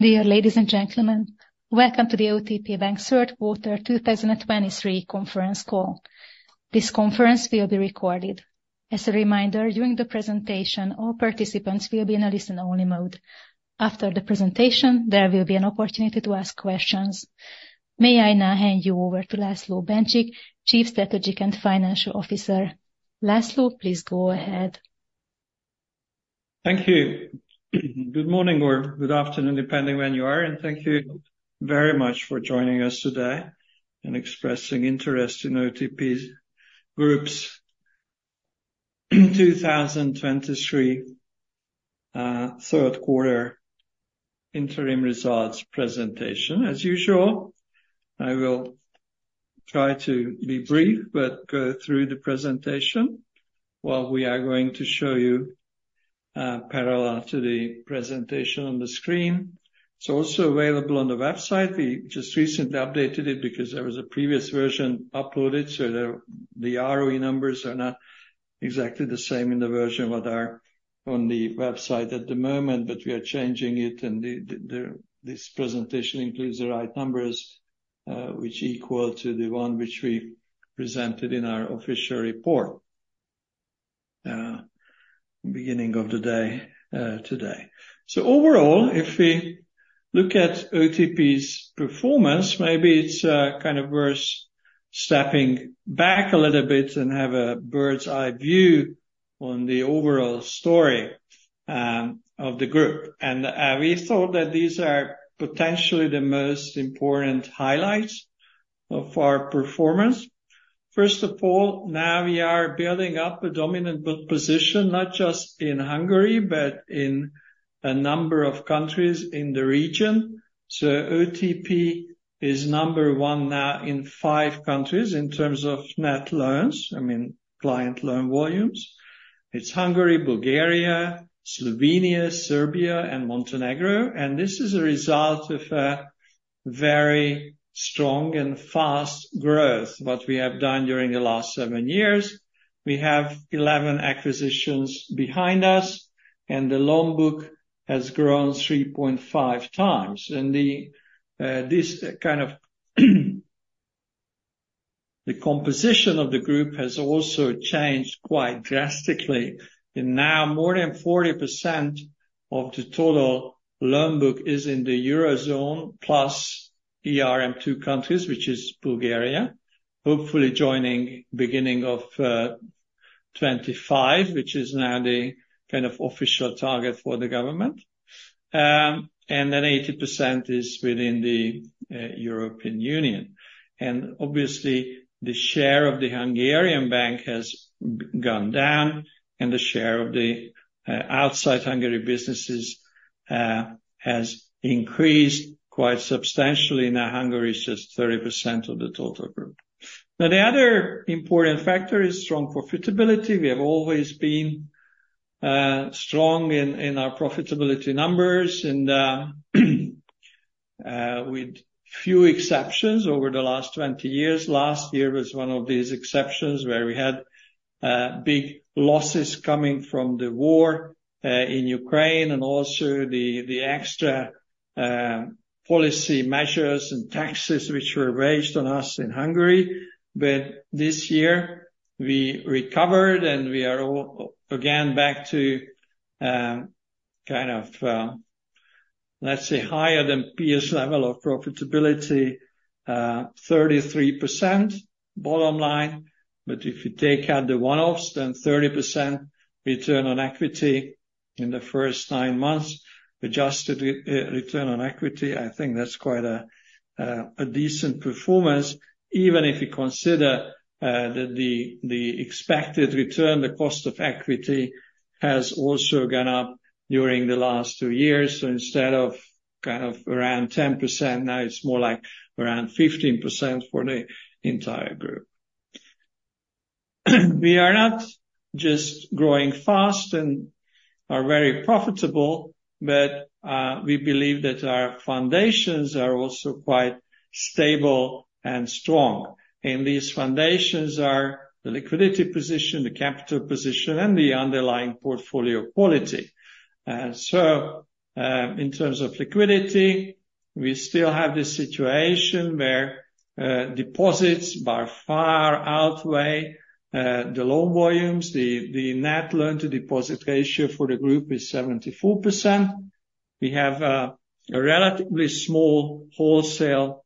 Dear ladies and gentlemen, welcome to the OTP Bank Third Quarter 2023 Conference Call. This conference will be recorded. As a reminder, during the presentation, all participants will be in a listen-only mode. After the presentation, there will be an opportunity to ask questions. May I now hand you over to László Bencsik, Chief Strategic and Financial Officer. László, please go ahead. Thank you. Good morning or good afternoon, depending on when you are, and thank you very much for joining us today and expressing interest in OTP Group's 2023 third quarter interim results presentation. As usual, I will try to be brief but go through the presentation while we are going to show you parallel to the presentation on the screen. It's also available on the website. We just recently updated it because there was a previous version uploaded, so the ROE numbers are not exactly the same in the version that are on the website at the moment, but we are changing it, and this presentation includes the right numbers, which equal to the one which we presented in our official report beginning of the day today. Overall, if we look at OTP's performance, maybe it's kind of worth stepping back a little bit and have a bird's-eye view on the overall story of the group. We thought that these are potentially the most important highlights of our performance. First of all, now we are building up a dominant position, not just in Hungary but in a number of countries in the region. OTP is number one now in five countries in terms of net loans, I mean, client loan volumes. It's Hungary, Bulgaria, Slovenia, Serbia, and Montenegro. This is a result of very strong and fast growth, what we have done during the last seven years. We have 11 acquisitions behind us, and the loan book has grown 3.5x. This kind of the composition of the group has also changed quite drastically. Now, more than 40% of the total loan book is in the Eurozone plus ERM II countries, which is Bulgaria, hopefully joining beginning of 2025, which is now the kind of official target for the government. And then 80% is within the European Union. And obviously, the share of the Hungarian bank has gone down, and the share of the outside Hungary businesses has increased quite substantially. Now, Hungary is just 30% of the total group. Now, the other important factor is strong profitability. We have always been strong in our profitability numbers, with few exceptions over the last 20 years. Last year was one of these exceptions where we had big losses coming from the war in Ukraine and also the extra policy measures and taxes which were raised on us in Hungary. But this year, we recovered, and we are again back to kind of, let's say, higher than peers' level of profitability, 33% bottom line. But if you take out the one-offs, then 30% return on equity in the first nine months, adjusted return on equity, I think that's quite a decent performance, even if you consider that the expected return, the cost of equity, has also gone up during the last two years. So instead of kind of around 10%, now it's more like around 15% for the entire group. We are not just growing fast and are very profitable, but we believe that our foundations are also quite stable and strong. And these foundations are the liquidity position, the capital position, and the underlying portfolio quality. So in terms of liquidity, we still have this situation where deposits by far outweigh the loan volumes. The net loan-to-deposit ratio for the group is 74%. We have a relatively small wholesale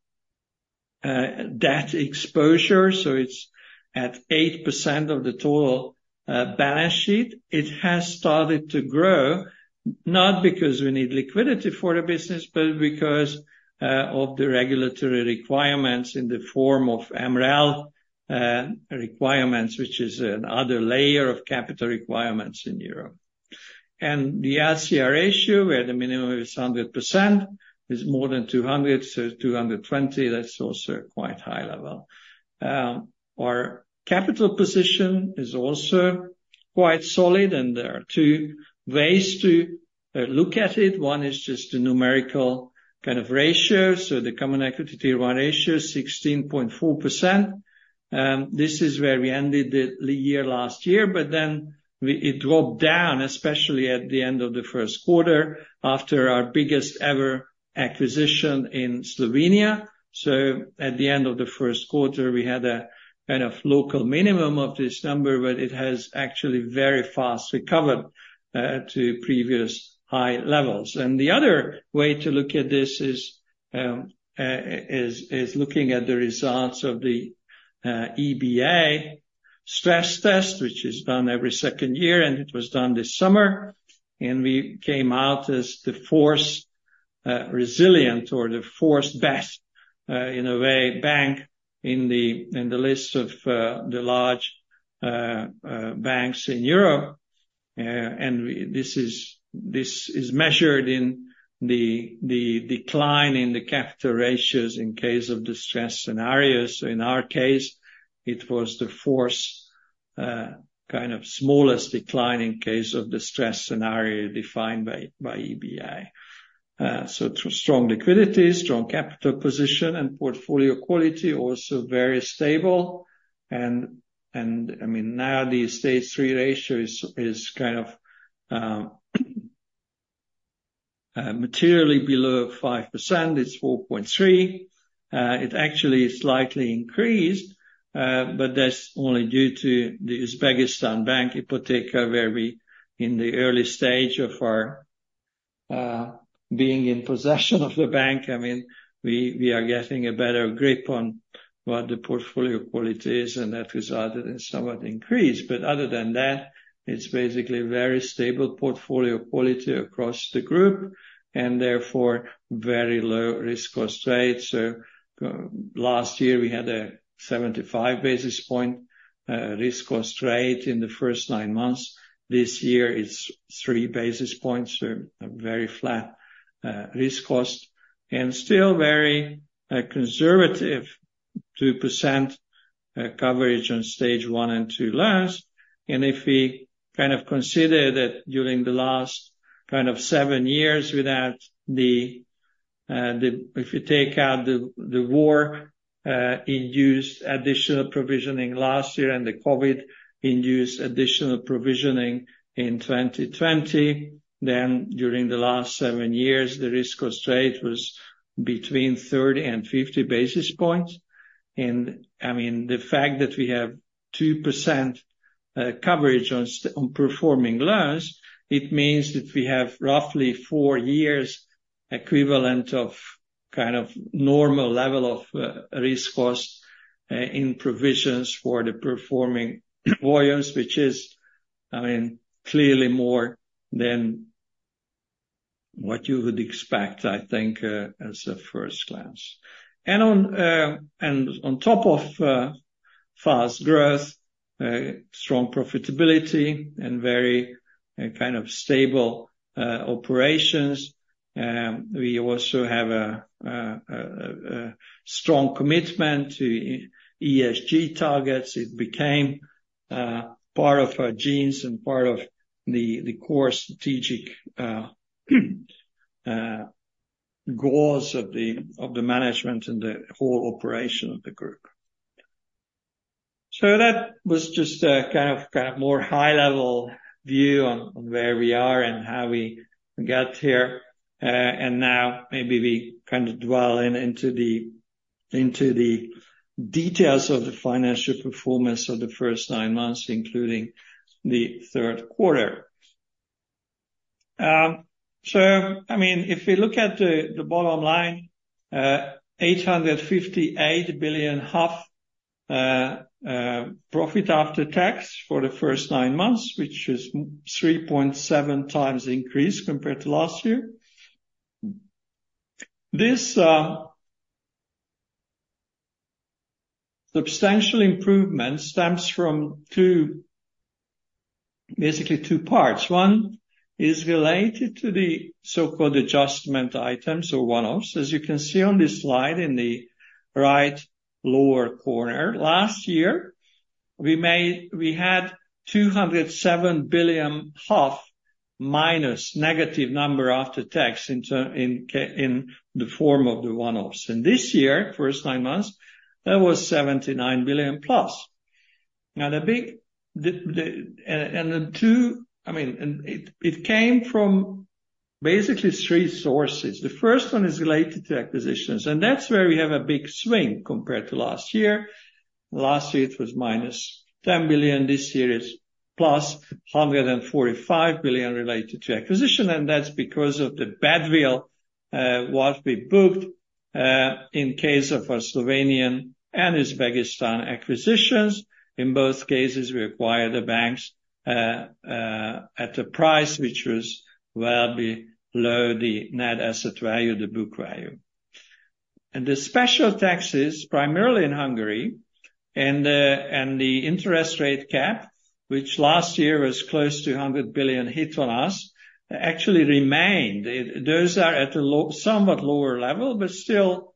debt exposure, so it's at 8% of the total balance sheet. It has started to grow, not because we need liquidity for the business, but because of the regulatory requirements in the form of MREL requirements, which is another layer of capital requirements in Europe. The LCR ratio, where the minimum is 100%, is more than 200, so 220, that's also quite a high level. Our capital position is also quite solid, and there are two ways to look at it. One is just the numerical kind of ratio, so the Common Equity Tier 1 ratio, 16.4%. This is where we ended the year last year, but then it dropped down, especially at the end of the first quarter after our biggest ever acquisition in Slovenia. At the end of the first quarter, we had a kind of local minimum of this number, but it has actually very fast recovered to previous high levels. The other way to look at this is looking at the results of the EBA stress test, which is done every second year, and it was done this summer. We came out as the fourth resilient or the fourth best, in a way, bank in the list of the large banks in Europe. This is measured in the decline in the capital ratios in case of the stress scenarios. In our case, it was the fourth kind of smallest decline in case of the stress scenario defined by EBA. Strong liquidity, strong capital position, and portfolio quality also very stable. I mean, now the Stage 3 ratio is kind of materially below 5%. It's 4.3%. It actually slightly increased, but that's only due to the Uzbekistan Bank where we, in the early stage of our being in possession of the bank, I mean, we are getting a better grip on what the portfolio quality is, and that resulted in somewhat increase. But other than that, it's basically very stable portfolio quality across the group and therefore very low risk cost rate. So last year, we had a 75 basis point risk cost rate in the first nine months. This year, it's 3 basis points, so a very flat risk cost and still very conservative 2% coverage on Stage I and II loans. If we kind of consider that during the last kind of seven years without the, if you take out the war-induced additional provisioning last year and the COVID-induced additional provisioning in 2020, then during the last seven years, the risk cost rate was between 30 basis points and 50 basis points. I mean, the fact that we have 2% coverage on performing loans, it means that we have roughly four years' equivalent of kind of normal level of risk cost in provisions for the performing volumes, which is, I mean, clearly more than what you would expect, I think, at first glance. On top of fast growth, strong profitability, and very kind of stable operations, we also have a strong commitment to ESG targets. It became part of our genes and part of the core strategic goals of the management and the whole operation of the group. So that was just a kind of more high-level view on where we are and how we got here. And now maybe we kind of dwell into the details of the financial performance of the first nine months, including the third quarter. So I mean, if we look at the bottom line, 858.5 billion profit after tax for the first nine months, which is 3.7 times increased compared to last year. This substantial improvement stems from basically two parts. One is related to the so-called adjustment items, or one-offs, as you can see on this slide in the right lower corner. Last year, we had 207.5 billion minus negative number after tax in the form of the one-offs. And this year, first nine months, that was 79 billion plus. Now, the big and the two I mean, it came from basically three sources. The first one is related to acquisitions, and that's where we have a big swing compared to last year. Last year, it was -10 billion. This year, it's +145 billion related to acquisition. And that's because of the badwill that we booked in case of our Slovenian and Uzbekistan acquisitions. In both cases, we acquired the banks at a price which was well below the net asset value, the book value. And the special taxes, primarily in Hungary, and the interest rate cap, which last year was close to 100 billion hit on us, actually remained. Those are at a somewhat lower level, but still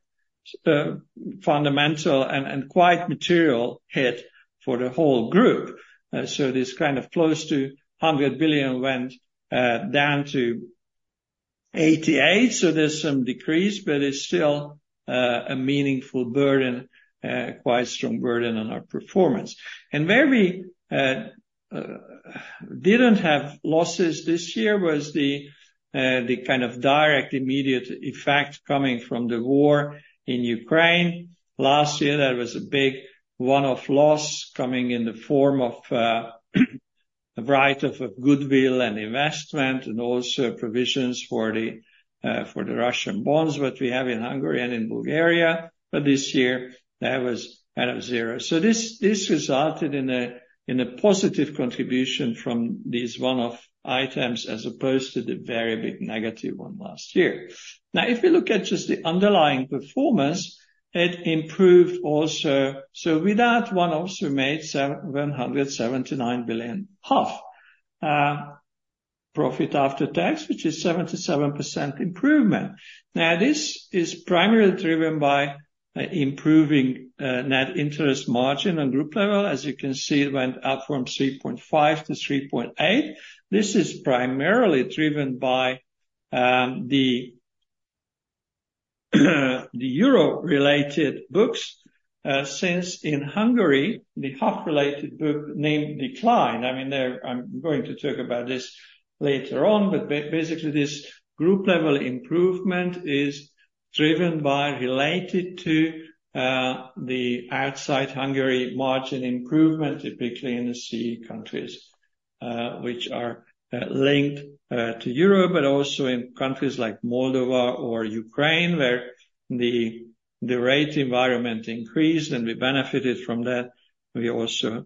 fundamental and quite material hit for the whole group. So this kind of close to 100 billion went down to 88 billion. So there's some decrease, but it's still a meaningful burden, quite strong burden on our performance. Where we didn't have losses this year was the kind of direct immediate effect coming from the war in Ukraine. Last year, that was a big one-off loss coming in the form of a variety of goodwill and investment and also provisions for the Russian bonds that we have in Hungary and in Bulgaria. But this year, that was kind of zero. So this resulted in a positive contribution from these one-off items as opposed to the very big negative one last year. Now, if we look at just the underlying performance, it improved also. So without one-offs, we made 179.5 billion profit after tax, which is 77% improvement. Now, this is primarily driven by improving net interest margin on group level. As you can see, it went up from 3.5%-3.8%. This is primarily driven by the euro-related books. Since in Hungary, the HUF-related book NIM declined. I mean, I'm going to talk about this later on, but basically, this group-level improvement is driven by related to the outside Hungary margin improvement, typically in the CE countries, which are linked to Europe, but also in countries like Moldova or Ukraine where the rate environment increased and we benefited from that. We also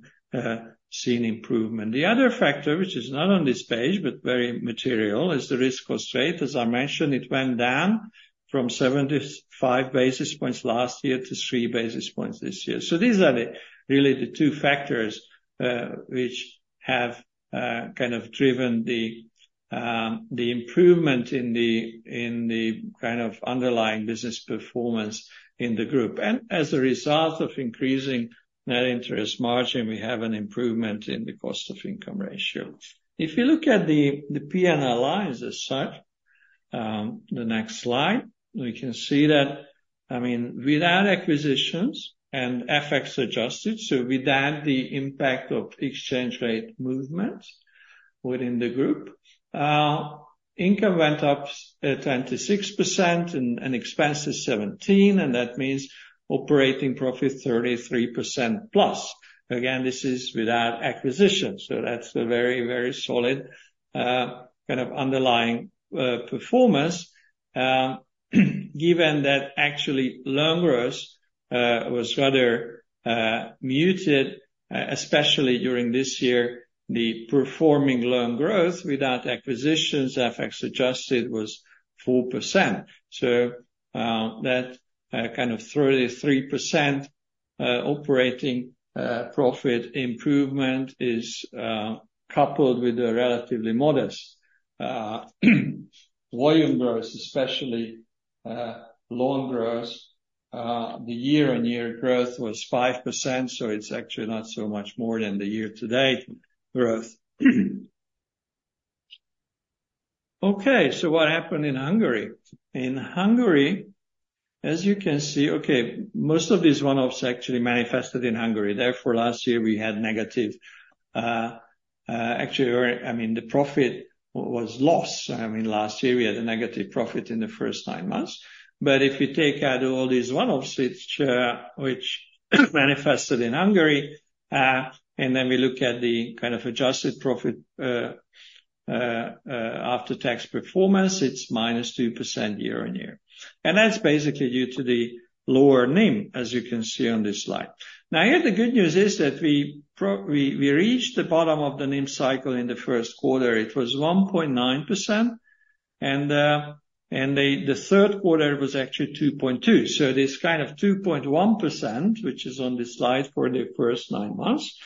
seen improvement. The other factor, which is not on this page but very material, is the risk cost rate. As I mentioned, it went down from 75 basis points last year to three basis points this year. So these are really the two factors which have kind of driven the improvement in the kind of underlying business performance in the group. And as a result of increasing net interest margin, we have an improvement in the cost-to-income ratio. If you look at the P&L lines as such, the next slide, we can see that, I mean, without acquisitions and FX adjusted, so without the impact of exchange rate movements within the group, income went up 26% and expenses 17%, and that means operating profit 33%+. Again, this is without acquisitions. So that's a very, very solid kind of underlying performance given that actually loan growth was rather muted, especially during this year. The performing loan growth without acquisitions, FX adjusted, was 4%. So that kind of 33% operating profit improvement is coupled with a relatively modest volume growth, especially loan growth. The year-over-year growth was 5%, so it's actually not so much more than the year-to-date growth. Okay, so what happened in Hungary? In Hungary, as you can see, okay, most of these one-offs actually manifested in Hungary. Therefore, last year, we had negative actually, I mean, the profit was loss. I mean, last year, we had a negative profit in the first nine months. But if we take out all these one-offs which manifested in Hungary, and then we look at the kind of adjusted profit after-tax performance, it's -2% year-on-year. And that's basically due to the lower NIM, as you can see on this slide. Now here, the good news is that we reached the bottom of the NIM cycle in the first quarter. It was 1.9%. And the third quarter was actually 2.2%. So this kind of 2.1%, which is on this slide for the first nine months,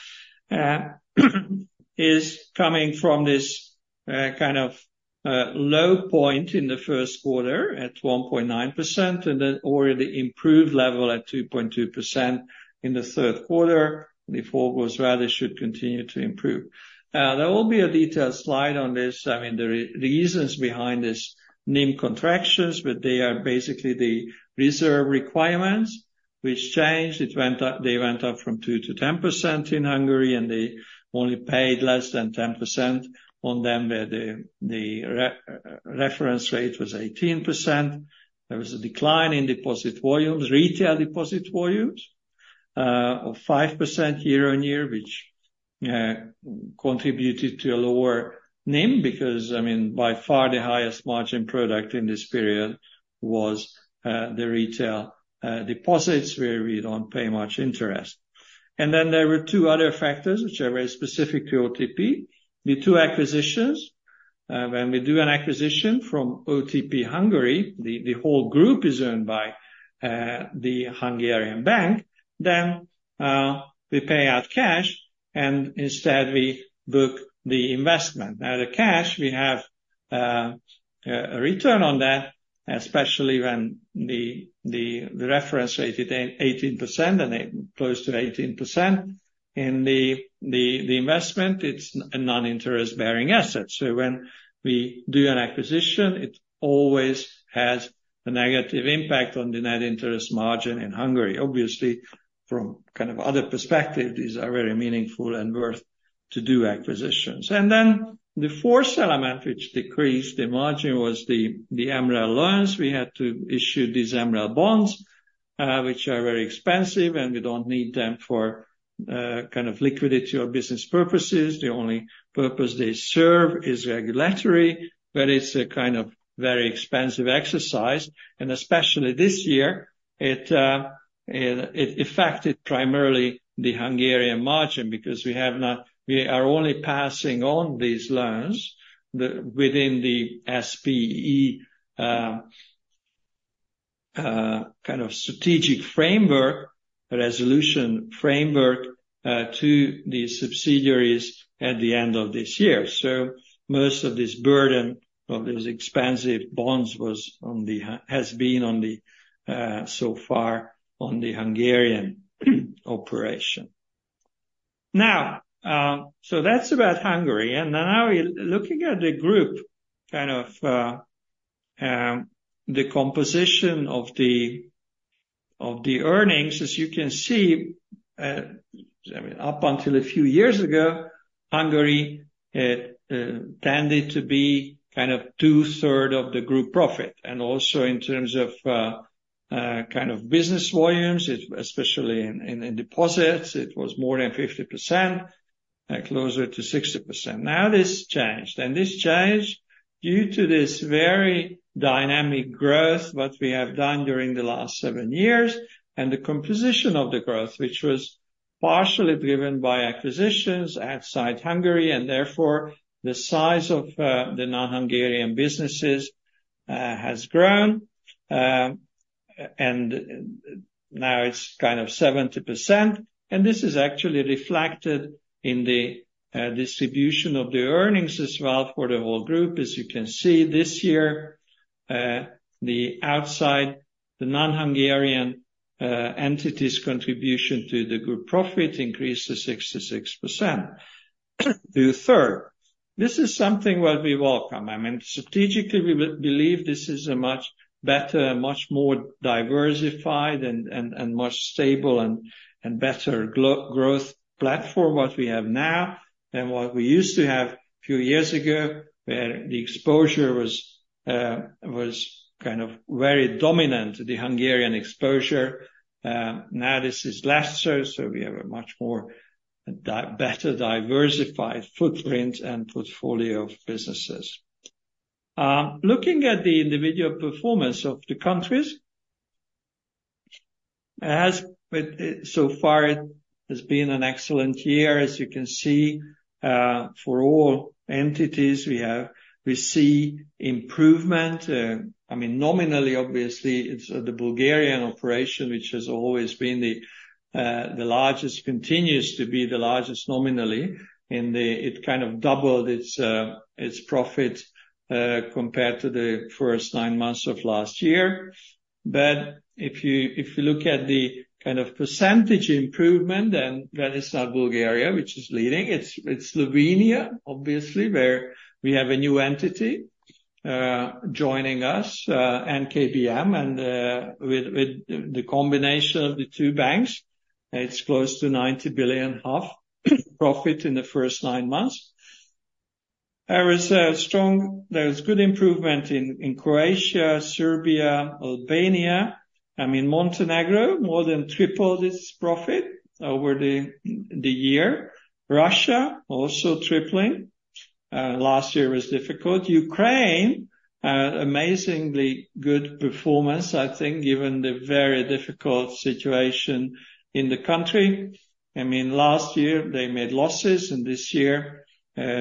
is coming from this kind of low point in the first quarter at 1.9% and then already improved level at 2.2% in the third quarter. The fourth was rather should continue to improve. There will be a detailed slide on this. I mean, the reasons behind this NIM contractions, but they are basically the reserve requirements which changed. They went up from 2%-10% in Hungary, and they only paid less than 10% on them where the reference rate was 18%. There was a decline in deposit volumes, retail deposit volumes of 5% year-over-year, which contributed to a lower NIM because, I mean, by far the highest margin product in this period was the retail deposits where we don't pay much interest. And then there were two other factors which are very specific to OTP. The two acquisitions, when we do an acquisition from OTP Hungary, the whole group is owned by the Hungarian bank, then we pay out cash and instead we book the investment. Now, the cash, we have a return on that, especially when the reference rate is 18% and close to 18%. In the investment, it's a non-interest-bearing asset. So when we do an acquisition, it always has a negative impact on the net interest margin in Hungary. Obviously, from kind of other perspective, these are very meaningful and worth to do acquisitions. And then the fourth element which decreased the margin was the MREL loans. We had to issue these MREL bonds, which are very expensive, and we don't need them for kind of liquidity or business purposes. The only purpose they serve is regulatory, but it's a kind of very expensive exercise. And especially this year, it affected primarily the Hungarian margin because we are only passing on these loans within the SPE kind of strategic framework, resolution framework, to the subsidiaries at the end of this year. So most of this burden of those expensive bonds has been so far on the Hungarian operation. Now, so that's about Hungary. And now looking at the group kind of the composition of the earnings, as you can see, I mean, up until a few years ago, Hungary tended to be kind of two-thirds of the group profit. And also in terms of kind of business volumes, especially in deposits, it was more than 50%, closer to 60%. Now this changed. And this changed due to this very dynamic growth what we have done during the last seven years and the composition of the growth, which was partially driven by acquisitions outside Hungary. And therefore, the size of the non-Hungarian businesses has grown. And now it's kind of 70%. And this is actually reflected in the distribution of the earnings as well for the whole group. As you can see, this year, the outside, the non-Hungarian entities' contribution to the group profit increased to 66%. Two-third. This is something what we welcome. I mean, strategically, we believe this is a much better, much more diversified, and much stable, and better growth platform what we have now than what we used to have a few years ago where the exposure was kind of very dominant, the Hungarian exposure. Now this is less so, so we have a much more better diversified footprint and portfolio of businesses. Looking at the individual performance of the countries, so far it has been an excellent year. As you can see, for all entities, we see improvement. I mean, nominally, obviously, it's the Bulgarian operation, which has always been the largest, continues to be the largest nominally. It kind of doubled its profit compared to the first nine months of last year. But if you look at the kind of percentage improvement, then that is not Bulgaria, which is leading. It's Slovenia, obviously, where we have a new entity joining us, NKBM, and with the combination of the two banks, it's close to 90 billion profit in the first nine months. There was good improvement in Croatia, Serbia, Albania. I mean, Montenegro, more than tripled its profit over the year. Russia, also tripling. Last year was difficult. Ukraine, amazingly good performance, I think, given the very difficult situation in the country. I mean, last year, they made losses, and this year,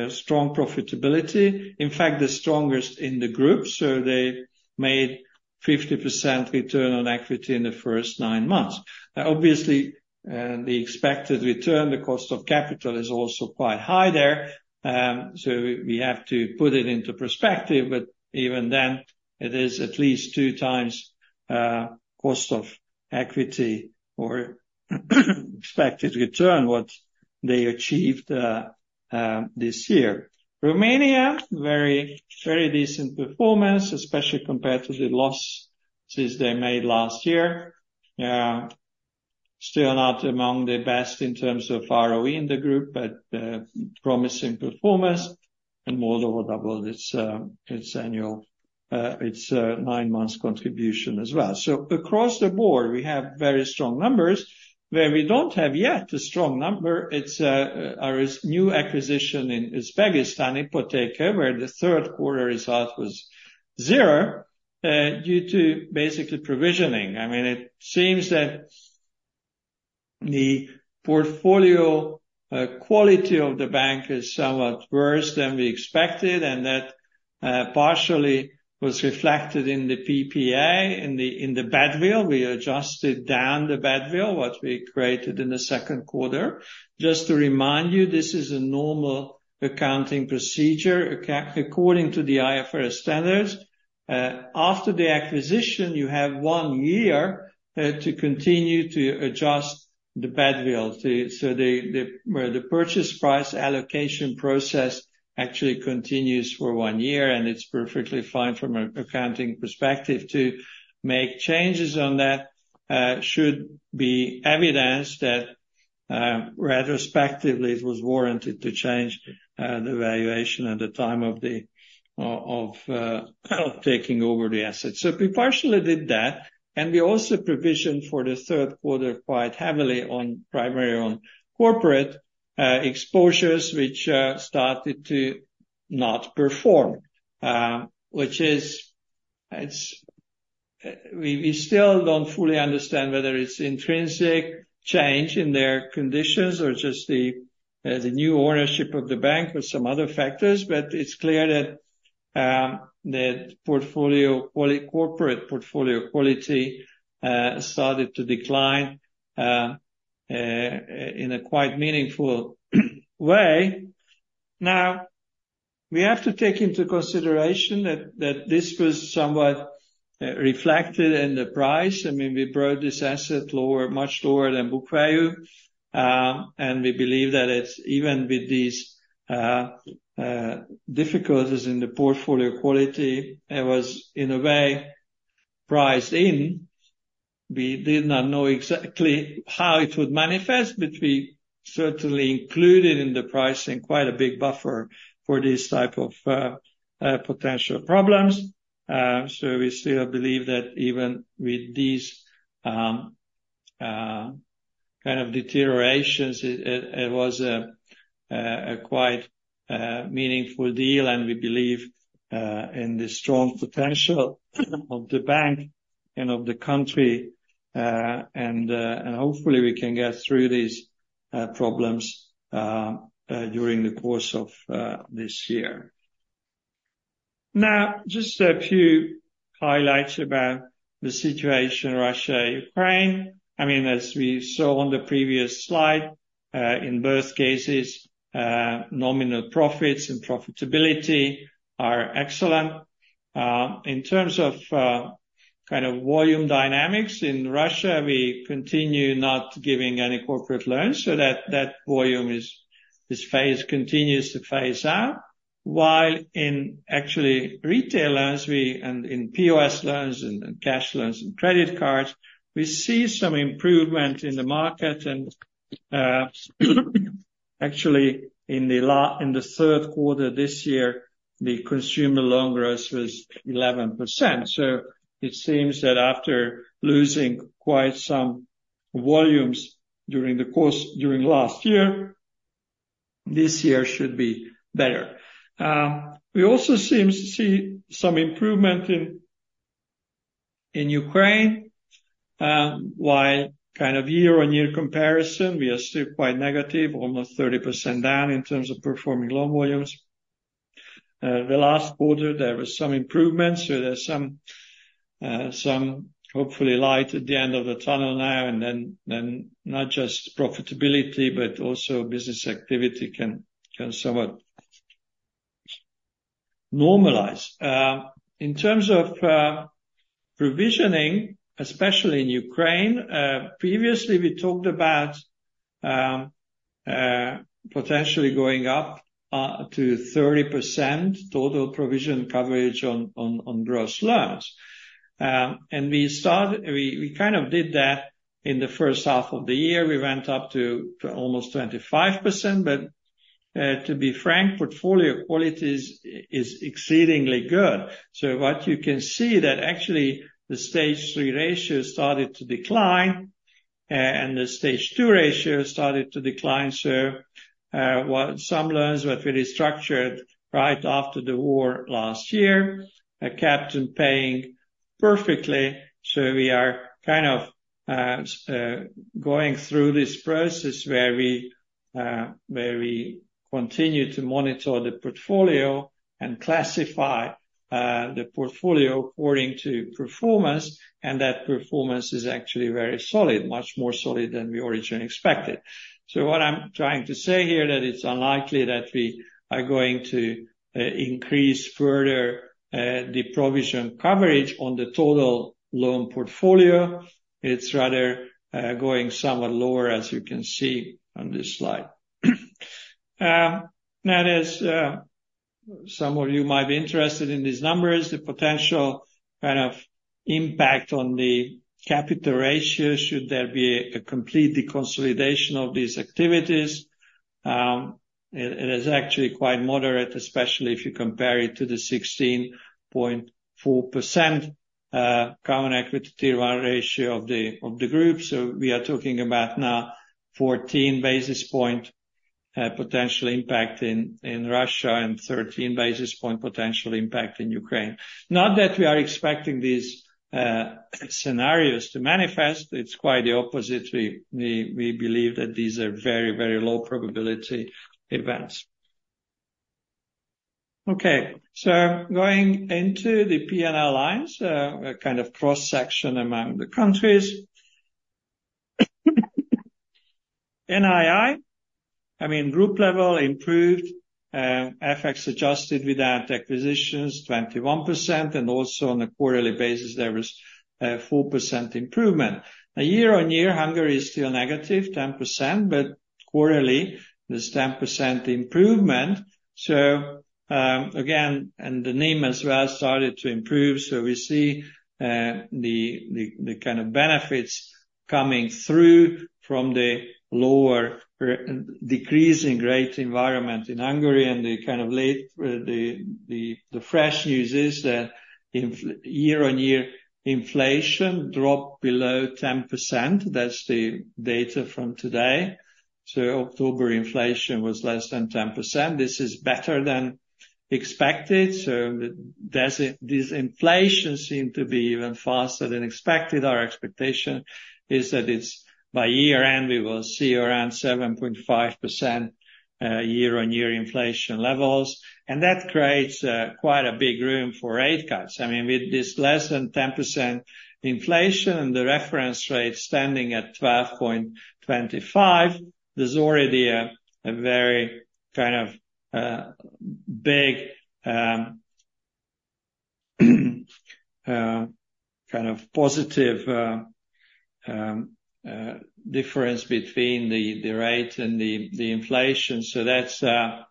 strong profitability. In fact, the strongest in the group. So they made 50% return on equity in the first nine months. Obviously, the expected return, the cost of capital, is also quite high there. So we have to put it into perspective, but even then, it is at least two times cost of equity or expected return what they achieved this year. Romania, very decent performance, especially compared to the losses they made last year. Still not among the best in terms of ROE in the group, but promising performance. And Moldova doubled its annual nine month contribution as well. So across the board, we have very strong numbers where we don't have yet a strong number. Our new acquisition in Uzbekistan, Ipoteka, where the third quarter result was zero due to basically provisioning. I mean, it seems that the portfolio quality of the bank is somewhat worse than we expected, and that partially was reflected in the PPA, in the badwill. We adjusted down the badwill what we created in the second quarter. Just to remind you, this is a normal accounting procedure according to the IFRS standards. After the acquisition, you have one year to continue to adjust the badwill. So where the purchase price allocation process actually continues for one year, and it's perfectly fine from an accounting perspective to make changes on that should be evidenced that retrospectively, it was warranted to change the valuation at the time of taking over the assets. So we partially did that, and we also provisioned for the third quarter quite heavily primarily on corporate exposures, which started to not perform, which is we still don't fully understand whether it's intrinsic change in their conditions or just the new ownership of the bank or some other factors, but it's clear that the corporate portfolio quality started to decline in a quite meaningful way. Now, we have to take into consideration that this was somewhat reflected in the price. I mean, we brought this asset much lower than book value. And we believe that even with these difficulties in the portfolio quality, it was, in a way, priced in. We did not know exactly how it would manifest, but we certainly included in the pricing quite a big buffer for these type of potential problems. So we still believe that even with these kind of deteriorations, it was a quite meaningful deal, and we believe in the strong potential of the bank and of the country. And hopefully, we can get through these problems during the course of this year. Now, just a few highlights about the situation, Russia, Ukraine. I mean, as we saw on the previous slide, in both cases, nominal profits and profitability are excellent. In terms of kind of volume dynamics in Russia, we continue not giving any corporate loans so that volume continues to phase out. While in, actually, retail loans and in POS loans and cash loans and credit cards, we see some improvement in the market. And actually, in the third quarter this year, the consumer loan growth was 11%. So it seems that after losing quite some volumes during last year, this year should be better. We also see some improvement in Ukraine. While kind of year-on-year comparison, we are still quite negative, almost 30% down in terms of performing loan volumes. The last quarter, there was some improvement. So there's some hopefully light at the end of the tunnel now, and then not just profitability, but also business activity can somewhat normalize. In terms of provisioning, especially in Ukraine, previously, we talked about potentially going up to 30% total provision coverage on gross loans. We kind of did that in the first half of the year. We went up to almost 25%. But to be frank, portfolio quality is exceedingly good. So what you can see is that actually the Stage 3 ratio started to decline, and the Stage 2 ratio started to decline. So some loans were very structured right after the war last year, a captain paying perfectly. So we are kind of going through this process where we continue to monitor the portfolio and classify the portfolio according to performance, and that performance is actually very solid, much more solid than we originally expected. So what I'm trying to say here is that it's unlikely that we are going to increase further the provision coverage on the total loan portfolio. It's rather going somewhat lower, as you can see on this slide. Now, some of you might be interested in these numbers, the potential kind of impact on the capital ratio. Should there be a complete deconsolidation of these activities? It is actually quite moderate, especially if you compare it to the 16.4% Common Equity Tier 1 ratio of the group. So we are talking about now 14 basis points potential impact in Russia and 13 basis points potential impact in Ukraine. Not that we are expecting these scenarios to manifest. It's quite the opposite. We believe that these are very, very low probability events. Okay. So going into the P&L lines, a kind of cross-section among the countries. NII, I mean, group level improved. FX adjusted without acquisitions, 21%. And also on a quarterly basis, there was 4% improvement. Now, year on year, Hungary is still negative, 10%, but quarterly, there's 10% improvement. So again, and the NIM as well started to improve. So we see the kind of benefits coming through from the lower decreasing rate environment in Hungary. And the kind of fresh news is that year on year, inflation dropped below 10%. That's the data from today. So October inflation was less than 10%. This is better than expected. So these inflations seem to be even faster than expected. Our expectation is that by year-end, we will see around 7.5% year-on-year inflation levels. And that creates quite a big room for rate cuts. I mean, with this less than 10% inflation and the reference rate standing at 12.25, there's already a very kind of big kind of positive difference between the rate and the inflation. So that's a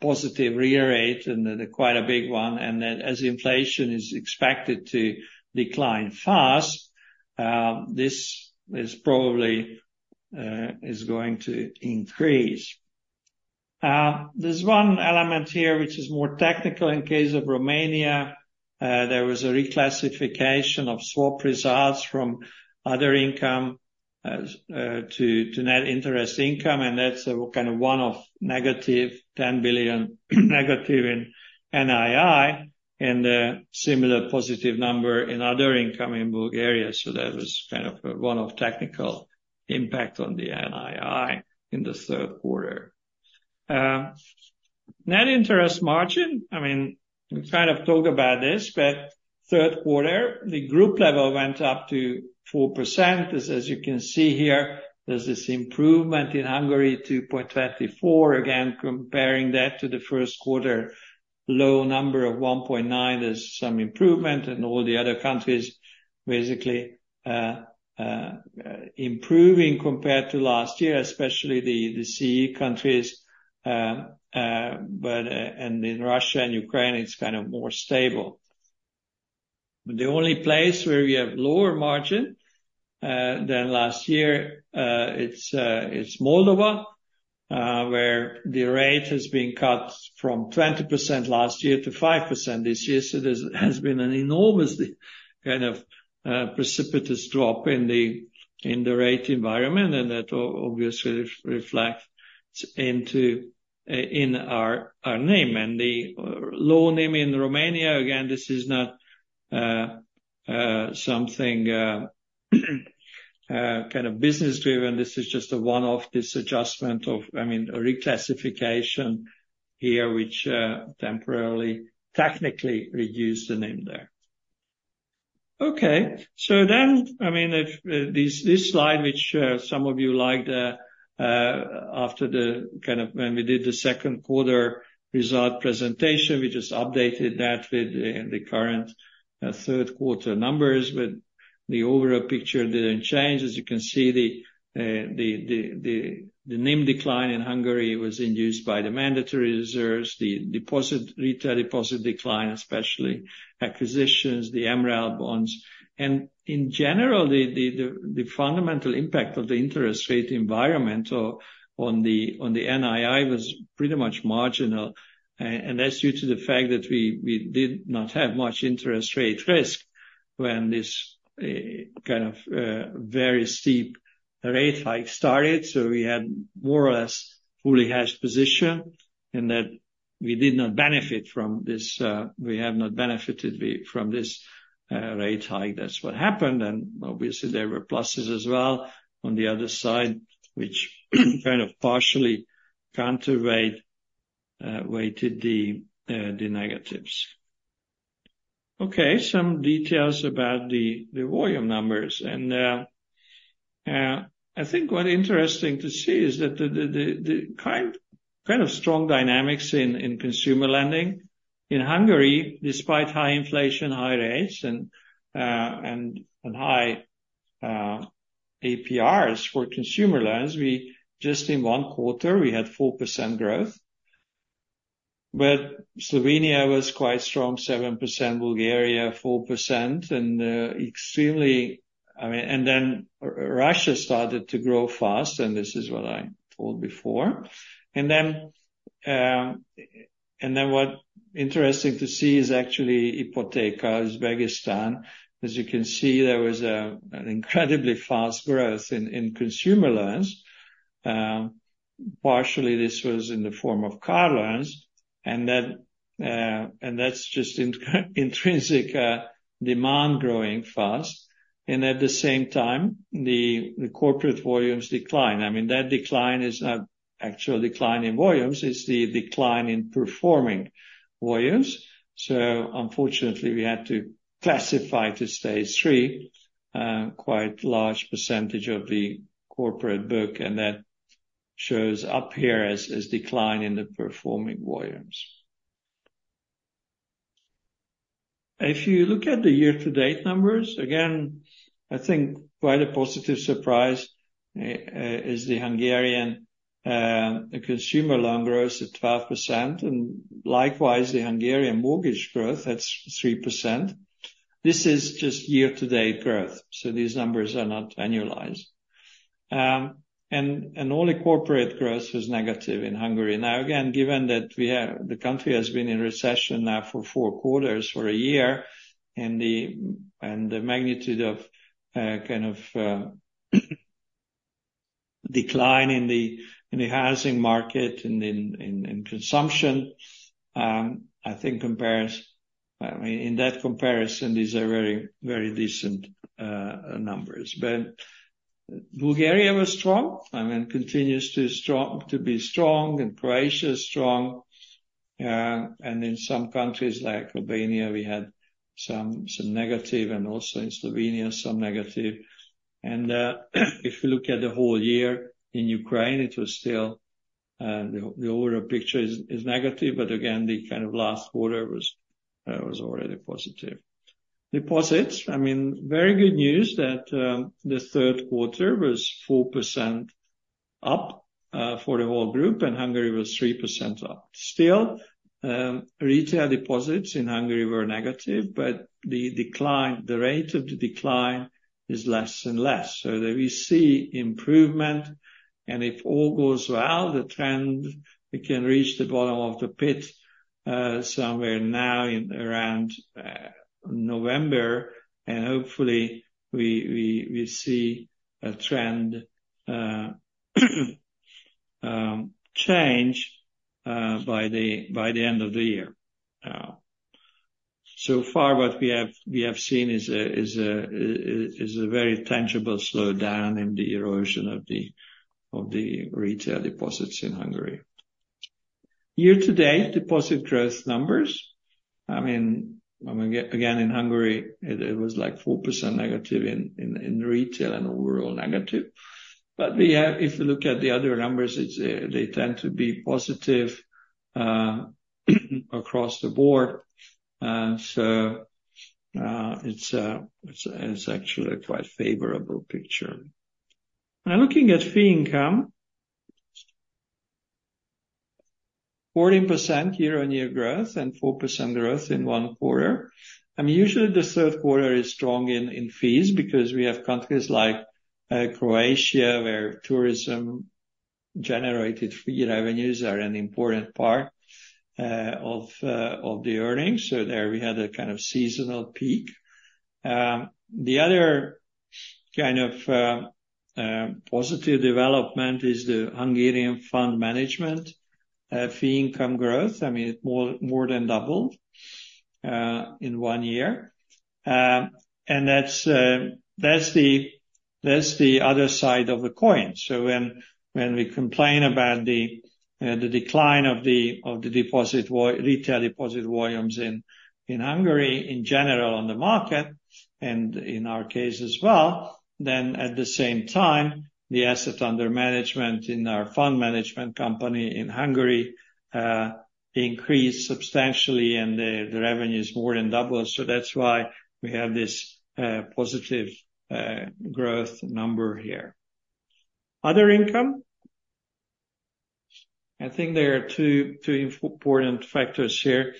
positive real rate, and quite a big one. And as inflation is expected to decline fast, this probably is going to increase. There's one element here which is more technical. In case of Romania, there was a reclassification of swap results from other income to net interest income. And that's kind of one of negative 10 billion negative in NII and a similar positive number in other income in Bulgaria. So that was kind of one of technical impact on the NII in the third quarter. Net interest margin, I mean, we kind of talked about this, but third quarter, the group level went up to 4%. As you can see here, there's this improvement in Hungary, 2.24%. Again, comparing that to the first quarter, low number of 1.9% is some improvement, and all the other countries basically improving compared to last year, especially the CE countries. And in Russia and Ukraine, it's kind of more stable. The only place where we have lower margin than last year is Moldova, where the rate has been cut from 20% last year to 5% this year. So there has been an enormous kind of precipitous drop in the rate environment, and that obviously reflects into our NIM. And the low NIM in Romania, again, this is not something kind of business-driven. This is just a one-off adjustment of, I mean, a reclassification here which temporarily technically reduced the NIM there. Okay. So then, I mean, this slide, which some of you liked after the kind of when we did the second quarter result presentation, we just updated that with the current third quarter numbers, but the overall picture didn't change. As you can see, the NIM decline in Hungary was induced by the mandatory reserves, the retail deposit decline, especially acquisitions, the MREL bonds. And in general, the fundamental impact of the interest rate environment on the NII was pretty much marginal. And that's due to the fact that we did not have much interest rate risk when this kind of very steep rate hike started. So we had more or less fully hedged position in that we did not benefit from this we have not benefited from this rate hike. That's what happened. Obviously, there were pluses as well on the other side, which kind of partially counterweighted the negatives. Okay. Some details about the volume numbers. I think what's interesting to see is that the kind of strong dynamics in consumer lending in Hungary, despite high inflation, high rates, and high APRs for consumer loans, just in one quarter, we had 4% growth. But Slovenia was quite strong, 7%, Bulgaria, 4%, and extremely I mean, and then Russia started to grow fast, and this is what I told before. And then what's interesting to see is actually Ipoteka, Uzbekistan. As you can see, there was an incredibly fast growth in consumer loans. Partially, this was in the form of car loans. And that's just intrinsic demand growing fast. And at the same time, the corporate volumes decline. I mean, that decline is not actual decline in volumes. It's the decline in performing volumes. So unfortunately, we had to classify to Stage 3, quite large percentage of the corporate book, and that shows up here as decline in the performing volumes. If you look at the year-to-date numbers, again, I think quite a positive surprise is the Hungarian consumer loan growth at 12%. And likewise, the Hungarian mortgage growth at 3%. This is just year-to-date growth. So these numbers are not annualized. And only corporate growth was negative in Hungary. Now, again, given that the country has been in recession now for four quarters for a year and the magnitude of kind of decline in the housing market and in consumption, I think in that comparison, these are very, very decent numbers. But Bulgaria was strong. I mean, continues to be strong and Croatia is strong. In some countries like Albania, we had some negative, and also in Slovenia, some negative. If you look at the whole year in Ukraine, it was still the overall picture is negative, but again, the kind of last quarter was already positive. Deposits, I mean, very good news that the third quarter was 4% up for the whole group, and Hungary was 3% up. Still, retail deposits in Hungary were negative, but the rate of the decline is less and less. We see improvement. If all goes well, the trend, we can reach the bottom of the pit somewhere now around November, and hopefully, we see a trend change by the end of the year. So far, what we have seen is a very tangible slowdown in the erosion of the retail deposits in Hungary. Year-to-date deposit growth numbers, I mean, again, in Hungary, it was like 4% negative in retail and overall negative. But if you look at the other numbers, they tend to be positive across the board. So it's actually a quite favorable picture. Now, looking at fee income, 14% year-on-year growth and 4% growth in one quarter. I mean, usually, the third quarter is strong in fees because we have countries like Croatia where tourism-generated fee revenues are an important part of the earnings. So there, we had a kind of seasonal peak. The other kind of positive development is the Hungarian fund management fee income growth. I mean, it more than doubled in one year. And that's the other side of the coin. So when we complain about the decline of the retail deposit volumes in Hungary, in general, on the market, and in our case as well, then at the same time, the asset under management in our fund management company in Hungary increased substantially, and the revenues more than doubled. So that's why we have this positive growth number here. Other income, I think there are two important factors here.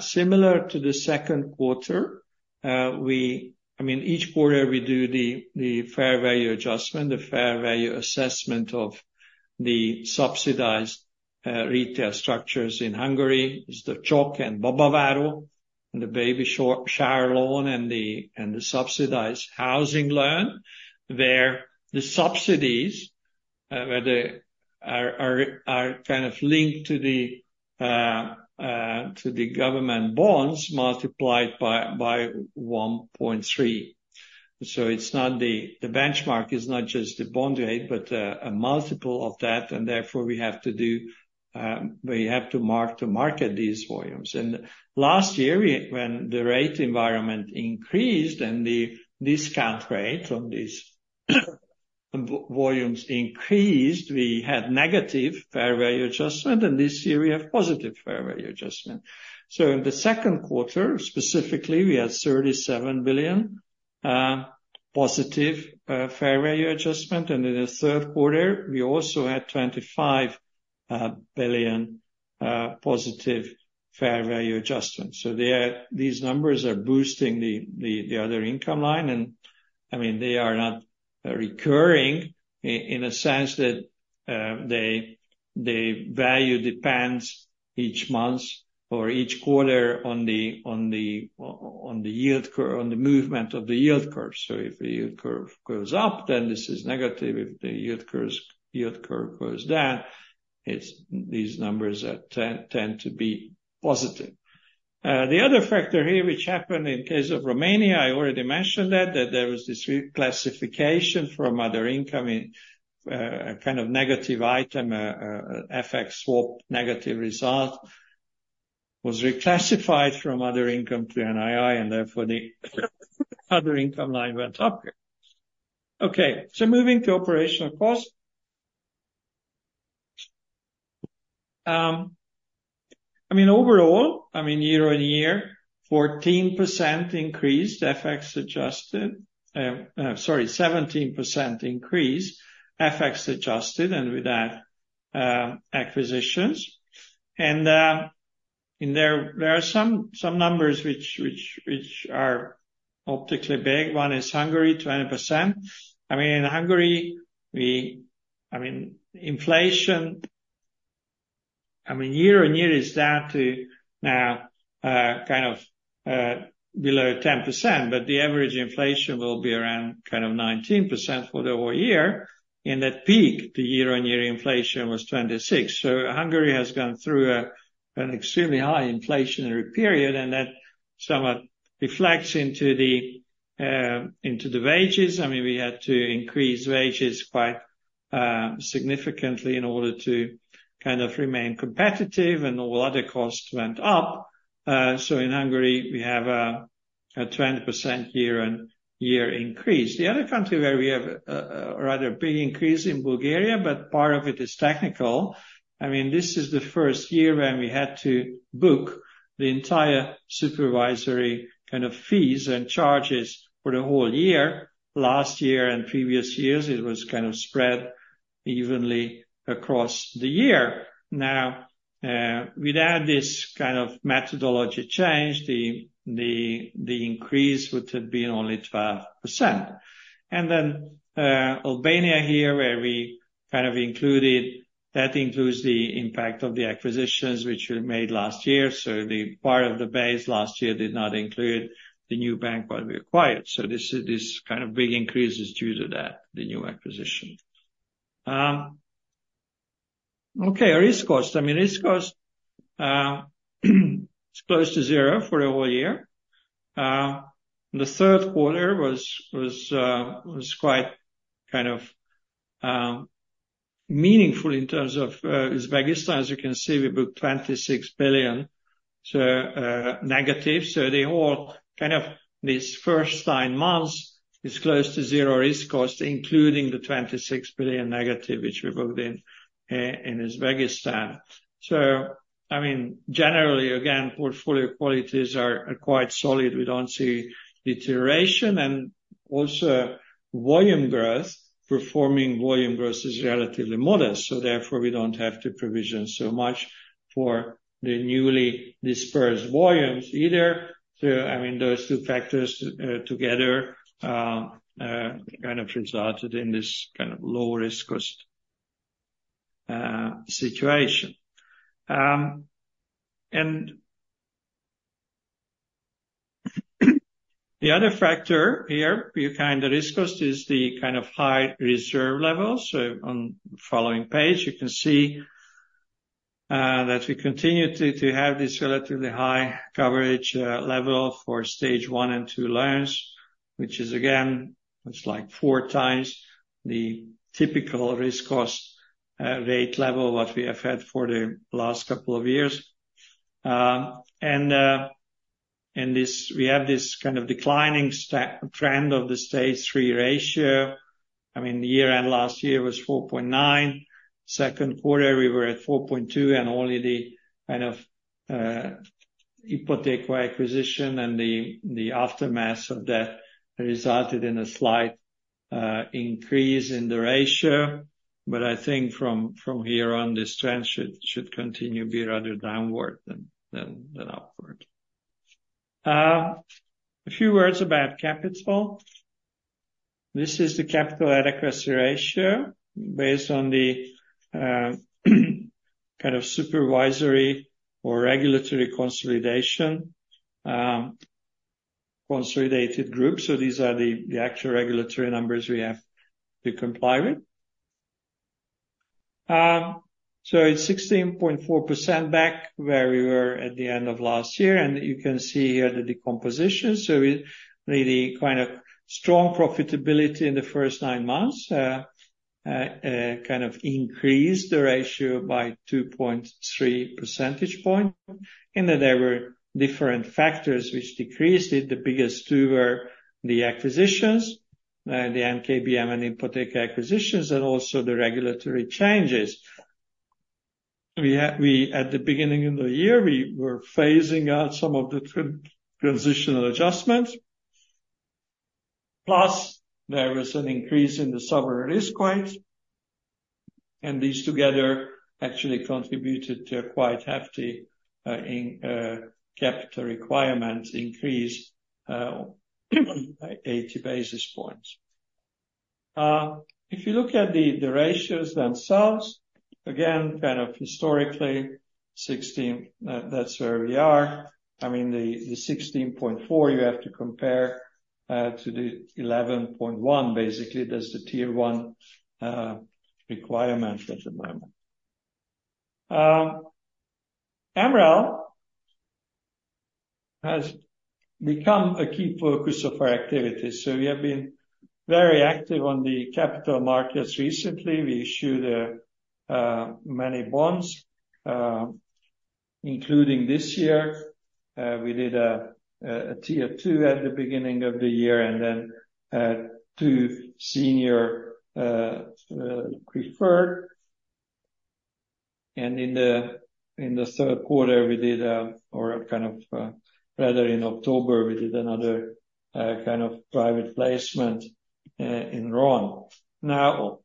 Similar to the second quarter, I mean, each quarter, we do the fair value adjustment, the fair value assessment of the subsidized retail structures in Hungary. It's the CSOK and Babaváró and the baby shower loan and the subsidized housing loan where the subsidies are kind of linked to the government bonds multiplied by 1.3. So the benchmark is not just the bond rate, but a multiple of that. Therefore, we have to mark to market these volumes. Last year, when the rate environment increased and the discount rate on these volumes increased, we had negative fair value adjustment. This year, we have positive fair value adjustment. So in the second quarter, specifically, we had 37 billion positive fair value adjustment. In the third quarter, we also had 25 billion positive fair value adjustments. So these numbers are boosting the other income line. And I mean, they are not recurring in a sense that the value depends each month or each quarter on the yield curve, on the movement of the yield curve. So if the yield curve goes up, then this is negative. If the yield curve goes down, these numbers tend to be positive. The other factor here, which happened in case of Romania, I already mentioned that there was this reclassification from other income, a kind of negative item, FX swap negative result, was reclassified from other income to NII, and therefore, the other income line went up here. Okay. So moving to operational cost. I mean, overall, I mean, year-on-year, 14% increased, FX adjusted sorry, 17% increase, FX adjusted, and with that, acquisitions. And there are some numbers which are optically big. One is Hungary, 20%. I mean, in Hungary, I mean, inflation, I mean, year-on-year, is down to now kind of below 10%, but the average inflation will be around kind of 19% for the whole year. In that peak, the year-on-year inflation was 26. So Hungary has gone through an extremely high inflationary period, and that somewhat reflects into the wages. I mean, we had to increase wages quite significantly in order to kind of remain competitive, and all other costs went up. So in Hungary, we have a 20% year-on-year increase. The other country where we have a rather big increase in Bulgaria, but part of it is technical. I mean, this is the first year when we had to book the entire supervisory kind of fees and charges for the whole year. Last year and previous years, it was kind of spread evenly across the year. Now, without this kind of methodology change, the increase would have been only 12%. And then Albania here, where we kind of included the impact of the acquisitions which we made last year. So part of the base last year did not include the new bank which we acquired. So this kind of big increase is due to that, the new acquisition. Okay. Or risk cost. I mean, risk cost, it's close to zero for the whole year. The third quarter was quite kind of meaningful in terms of Uzbekistan. As you can see, we booked 26 billion negative. So kind of these first nine months, it's close to zero risk cost, including the 26 billion negative which we booked in Uzbekistan. So I mean, generally, again, portfolio qualities are quite solid. We don't see deterioration. And also, volume growth, performing volume growth is relatively modest. So therefore, we don't have to provision so much for the newly dispersed volumes either. So I mean, those two factors together kind of resulted in this kind of low-risk cost situation. And the other factor here, you kind of risk cost, is the kind of high reserve level. So on the following page, you can see that we continue to have this relatively high coverage level for Stage 1 and Stage 2 loans, which is, again, it's like four times the typical risk cost rate level what we have had for the last couple of years. And we have this kind of declining trend of the Stage 3 ratio. I mean, year-end last year was 4.9. Second quarter, we were at 4.2, and only the kind of Ipoteka acquisition and the aftermath of that resulted in a slight increase in the ratio. But I think from here on, this trend should continue to be rather downward than upward. A few words about capital. This is the capital adequacy ratio based on the kind of supervisory or regulatory consolidated group. So these are the actual regulatory numbers we have to comply with. So it's 16.4% back where we were at the end of last year. And you can see here the decomposition. So the kind of strong profitability in the first nine months kind of increased the ratio by 2.3 percentage points. And then there were different factors which decreased it. The biggest two were the acquisitions, the Nova KBM and Ipoteka acquisitions, and also the regulatory changes. At the beginning of the year, we were phasing out some of the transitional adjustments. Plus, there was an increase in the sovereign risk weight. And these together actually contributed to a quite hefty capital requirement increase, 80 basis points. If you look at the ratios themselves, again, kind of historically, that's where we are. I mean, the 16.4, you have to compare to the 11.1, basically. That's the Tier 1 requirement at the moment. MREL has become a key focus of our activity. So we have been very active on the capital markets recently. We issued many bonds, including this year. We did a Tier 2 at the beginning of the year and then two senior preferred. And in the third quarter, or rather, in October, we did another kind of private placement in RON. Now,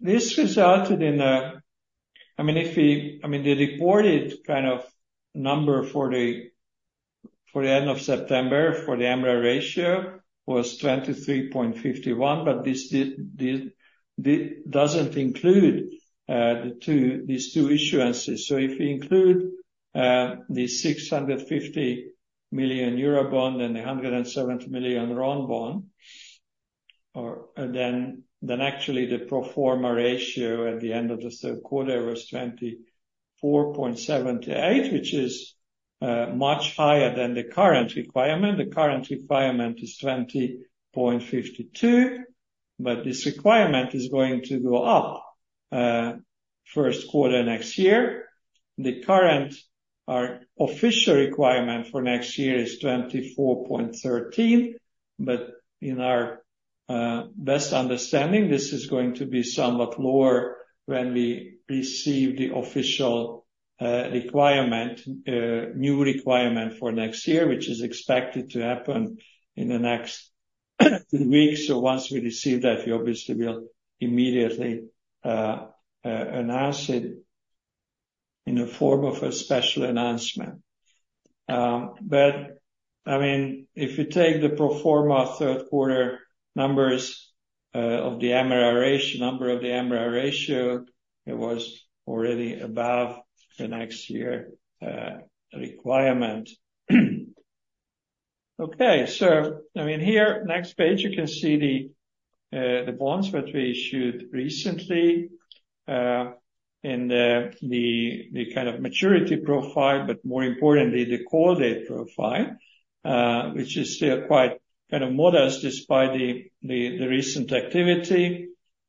this resulted in a—I mean, if we—I mean, the reported kind of number for the end of September for the MREL ratio was 23.51%, but this doesn't include these two issuances. So if we include the 650 million euro bond and the RON 170 million bond, then actually, the pro forma ratio at the end of the third quarter was 24.78%, which is much higher than the current requirement. The current requirement is 20.52%, but this requirement is going to go up first quarter next year. The current official requirement for next year is 24.13. But in our best understanding, this is going to be somewhat lower when we receive the official new requirement for next year, which is expected to happen in the next two weeks. So once we receive that, we obviously will immediately announce it in the form of a special announcement. But I mean, if you take the pro forma third quarter numbers of the MREL ratio, number of the MREL ratio, it was already above the next year requirement. Okay. So I mean, here, next page, you can see the bonds that we issued recently in the kind of maturity profile, but more importantly, the call date profile, which is still quite kind of modest despite the recent activity.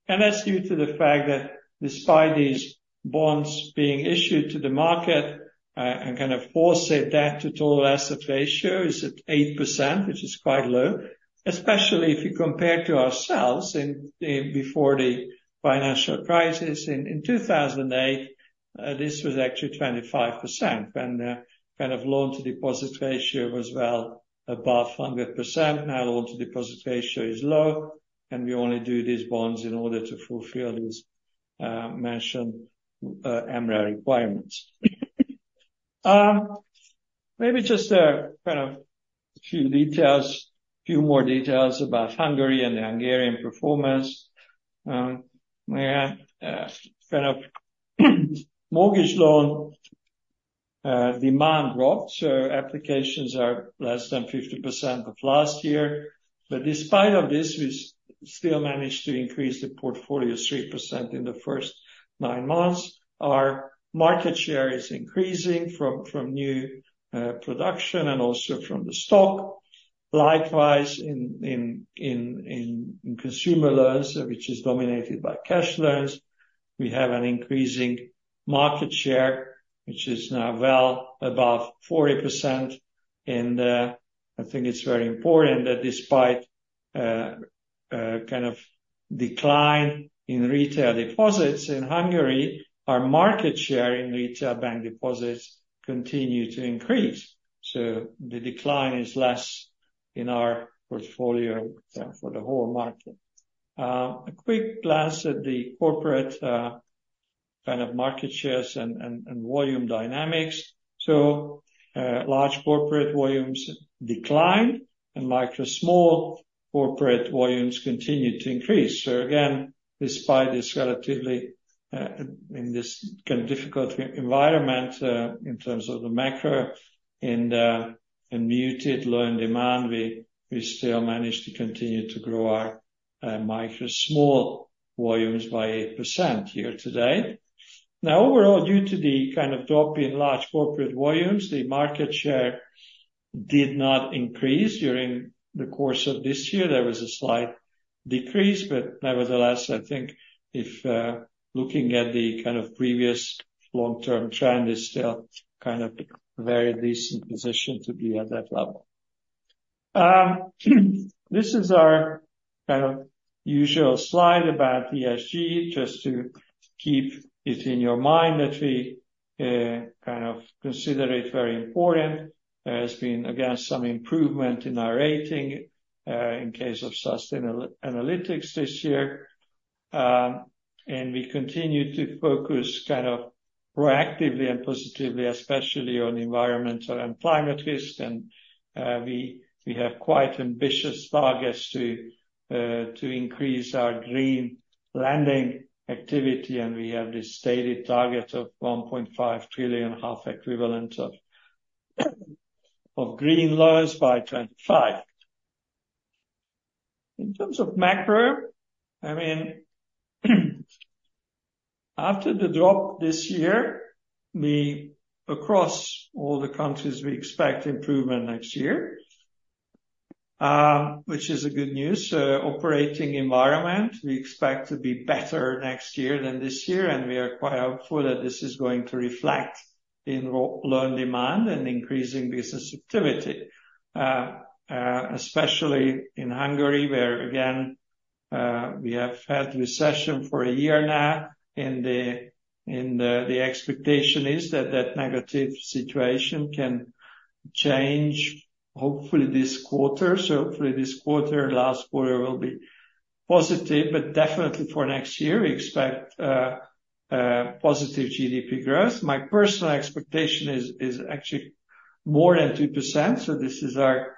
And that's due to the fact that despite these bonds being issued to the market and kind of wholesale debt total asset ratio, it's at 8%, which is quite low, especially if you compare to ourselves before the financial crisis. In 2008, this was actually 25%. And kind of loan-to-deposit ratio was well above 100%. Now, loan-to-deposit ratio is low, and we only do these bonds in order to fulfill these mentioned MREL requirements. Maybe just kind of a few details, a few more details about Hungary and the Hungarian performance. Kind of mortgage loan demand dropped, so applications are less than 50% of last year. But despite of this, we still managed to increase the portfolio 3% in the first nine months. Our market share is increasing from new production and also from the stock. Likewise, in consumer loans, which is dominated by cash loans, we have an increasing market share, which is now well above 40%. And I think it's very important that despite kind of decline in retail deposits in Hungary, our market share in retail bank deposits continues to increase. So the decline is less in our portfolio for the whole market. A quick glance at the corporate kind of market shares and volume dynamics. So large corporate volumes declined, and micro-small corporate volumes continued to increase. So again, despite this relatively in this kind of difficult environment in terms of the macro and muted loan demand, we still managed to continue to grow our micro-small volumes by 8% year to date. Now, overall, due to the kind of drop in large corporate volumes, the market share did not increase during the course of this year. There was a slight decrease, but nevertheless, I think if looking at the kind of previous long-term trend, it's still kind of a very decent position to be at that level. This is our kind of usual slide about ESG, just to keep it in your mind that we kind of consider it very important. There has been, again, some improvement in our rating in case of Sustainalytics this year. We continue to focus kind of proactively and positively, especially on environmental and climate risk. We have quite ambitious targets to increase our green lending activity. We have this stated target of 1.5 trillion equivalent of green loans by 2025. In terms of macro, I mean, after the drop this year, across all the countries, we expect improvement next year, which is good news. Operating environment, we expect to be better next year than this year. We are quite hopeful that this is going to reflect in loan demand and increasing business activity, especially in Hungary, where, again, we have had recession for a year now. The expectation is that that negative situation can change, hopefully, this quarter. Hopefully, this quarter, last quarter, will be positive. But definitely for next year, we expect positive GDP growth. My personal expectation is actually more than 2%. This is our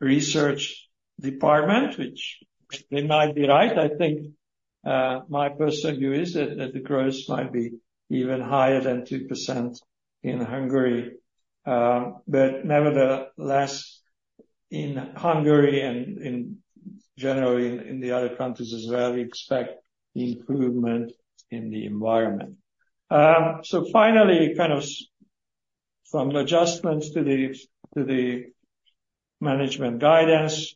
research department, which they might be right. I think my personal view is that the growth might be even higher than 2% in Hungary. Nevertheless, in Hungary and generally in the other countries as well, we expect improvement in the environment. Finally, kind of from adjustments to the management guidance,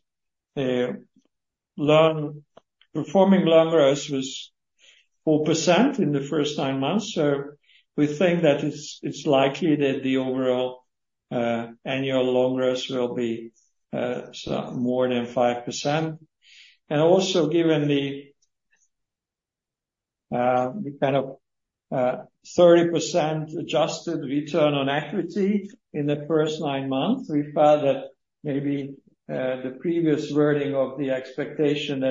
performing loan growth was 4% in the first nine months. We think that it's likely that the overall annual loan growth will be more than 5%. Also, given the kind of 30% adjusted return on equity in the first nine months, we found that maybe the previous wording of the expectation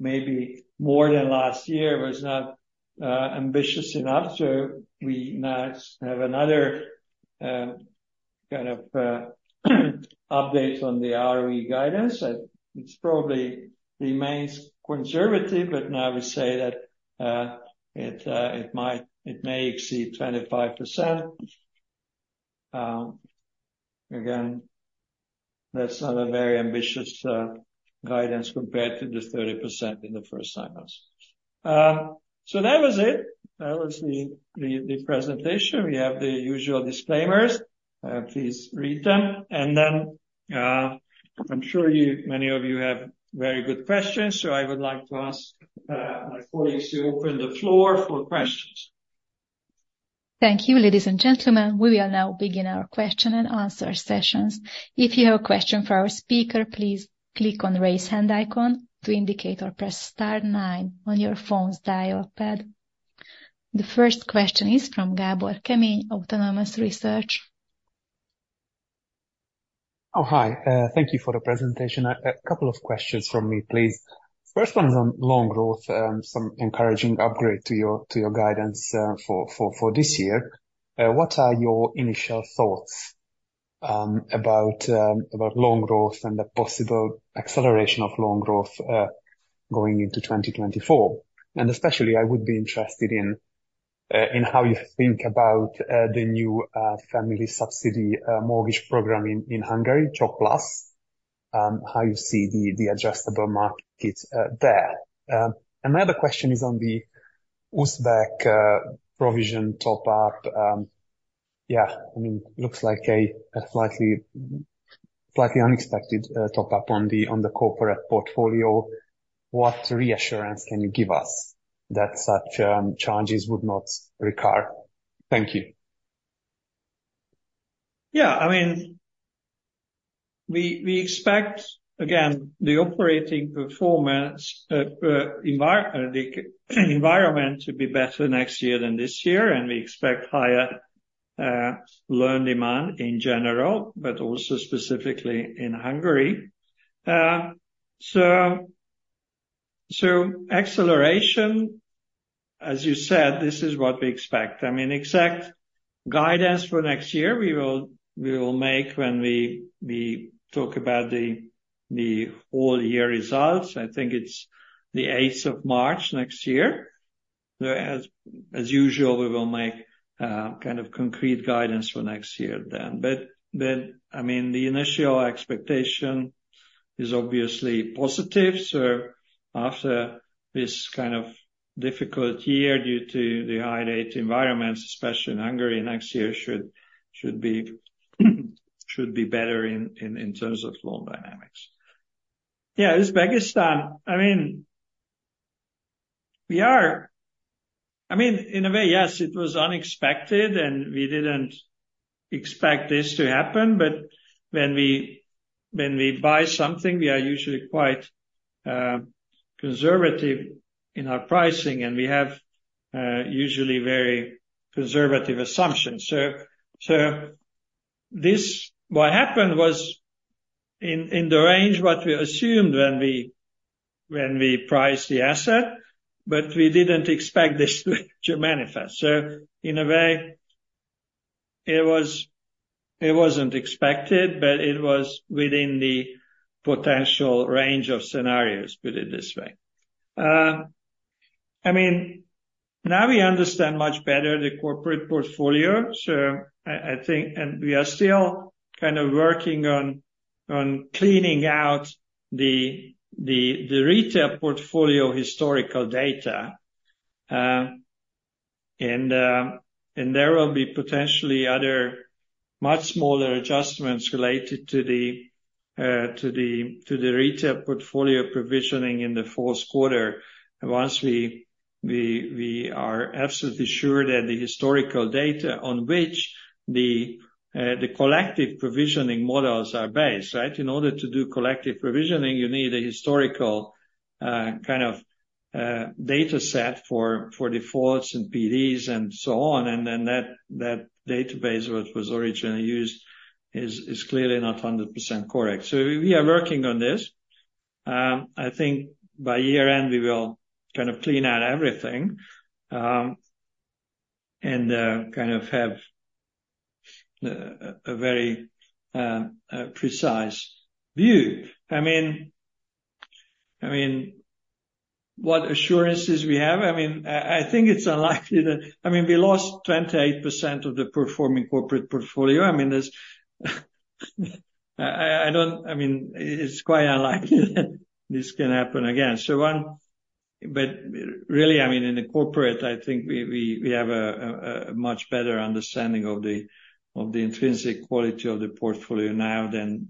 that it may be more than last year was not ambitious enough. We now have another kind of update on the ROE guidance. It probably remains conservative, but now we say that it may exceed 25%. Again, that's not a very ambitious guidance compared to the 30% in the first nine months. That was it. That was the presentation. We have the usual disclaimers. Please read them. Then I'm sure many of you have very good questions. I would like to ask my colleagues to open the floor for questions. Thank you, ladies and gentlemen. We will now begin our question and answer session. If you have a question for our speaker, please click on the raise hand icon to indicate or press star nine on your phone's dial pad. The first question is from Gábor Kemény, Autonomous Research. Oh, hi. Thank you for the presentation. A couple of questions from me, please. First one is on loan growth, some encouraging upgrade to your guidance for this year. What are your initial thoughts about loan growth and the possible acceleration of loan growth going into 2024? And especially, I would be interested in how you think about the new family subsidy mortgage program in Hungary, CSOK Plusz, how you see the adjustable market there. And my other question is on the Uzbek provision top-up. Yeah, I mean, it looks like a slightly unexpected top-up on the corporate portfolio. What reassurance can you give us that such charges would not recur? Thank you. Yeah, I mean, we expect, again, the operating performance environment to be better next year than this year. And we expect higher loan demand in general, but also specifically in Hungary. So acceleration, as you said, this is what we expect. I mean, exact guidance for next year, we will make when we talk about the whole year results. I think it's the 8th of March next year. As usual, we will make kind of concrete guidance for next year then. But I mean, the initial expectation is obviously positive. So after this kind of difficult year due to the high-rate environments, especially in Hungary, next year should be better in terms of loan dynamics. Yeah, Uzbekistan, I mean, we are I mean, in a way, yes, it was unexpected, and we didn't expect this to happen. But when we buy something, we are usually quite conservative in our pricing, and we have usually very conservative assumptions. So what happened was in the range what we assumed when we priced the asset, but we didn't expect this to manifest. So in a way, it wasn't expected, but it was within the potential range of scenarios, put it this way. I mean, now we understand much better the corporate portfolio. So I think and we are still kind of working on cleaning out the retail portfolio historical data. And there will be potentially other much smaller adjustments related to the retail portfolio provisioning in the fourth quarter once we are absolutely sure that the historical data on which the collective provisioning models are based, right? In order to do collective provisioning, you need a historical kind of dataset for defaults and PDs and so on. Then that database that was originally used is clearly not 100% correct. So we are working on this. I think by year-end, we will kind of clean out everything and kind of have a very precise view. I mean, what assurances we have? I mean, I think it's unlikely that I mean, we lost 28% of the performing corporate portfolio. I mean, I don't I mean, it's quite unlikely that this can happen again. But really, I mean, in the corporate, I think we have a much better understanding of the intrinsic quality of the portfolio now than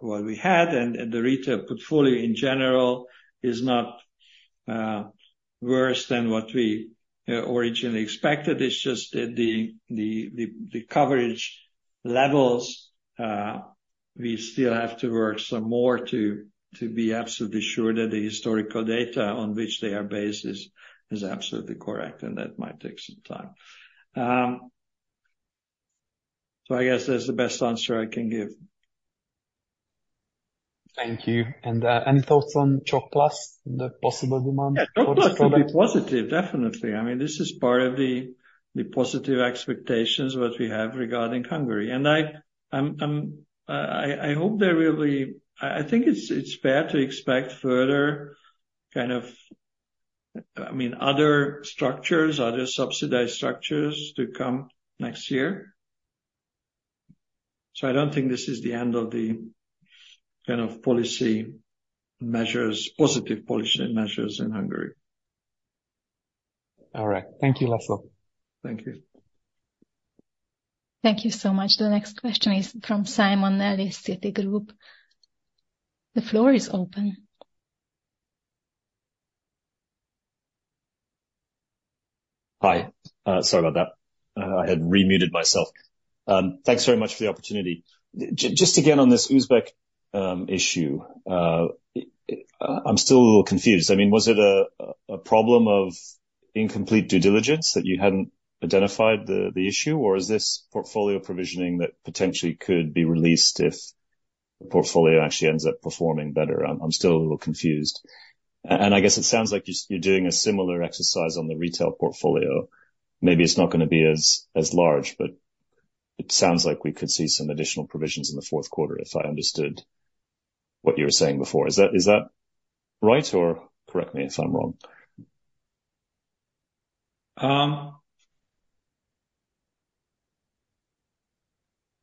what we had. And the retail portfolio, in general, is not worse than what we originally expected. It's just that the coverage levels, we still have to work some more to be absolutely sure that the historical data on which they are based is absolutely correct. That might take some time. I guess that's the best answer I can give. Thank you. Any thoughts on CSOK Plusz, the possible demand for this product? Yeah, positive. Definitely. I mean, this is part of the positive expectations what we have regarding Hungary. And I hope there will be. I think it's fair to expect further kind of, I mean, other structures, other subsidized structures to come next year. So I don't think this is the end of the kind of policy measures, positive policy measures in Hungary. All right. Thank you, László. Thank you. Thank you so much. The next question is from Simon Nellis, Citigroup. The floor is open. Hi. Sorry about that. I had re-muted myself. Thanks very much for the opportunity. Just again on this Uzbek issue, I'm still a little confused. I mean, was it a problem of incomplete due diligence that you hadn't identified the issue, or is this portfolio provisioning that potentially could be released if the portfolio actually ends up performing better? I'm still a little confused. I guess it sounds like you're doing a similar exercise on the retail portfolio. Maybe it's not going to be as large, but it sounds like we could see some additional provisions in the fourth quarter, if I understood what you were saying before. Is that right, or correct me if I'm wrong?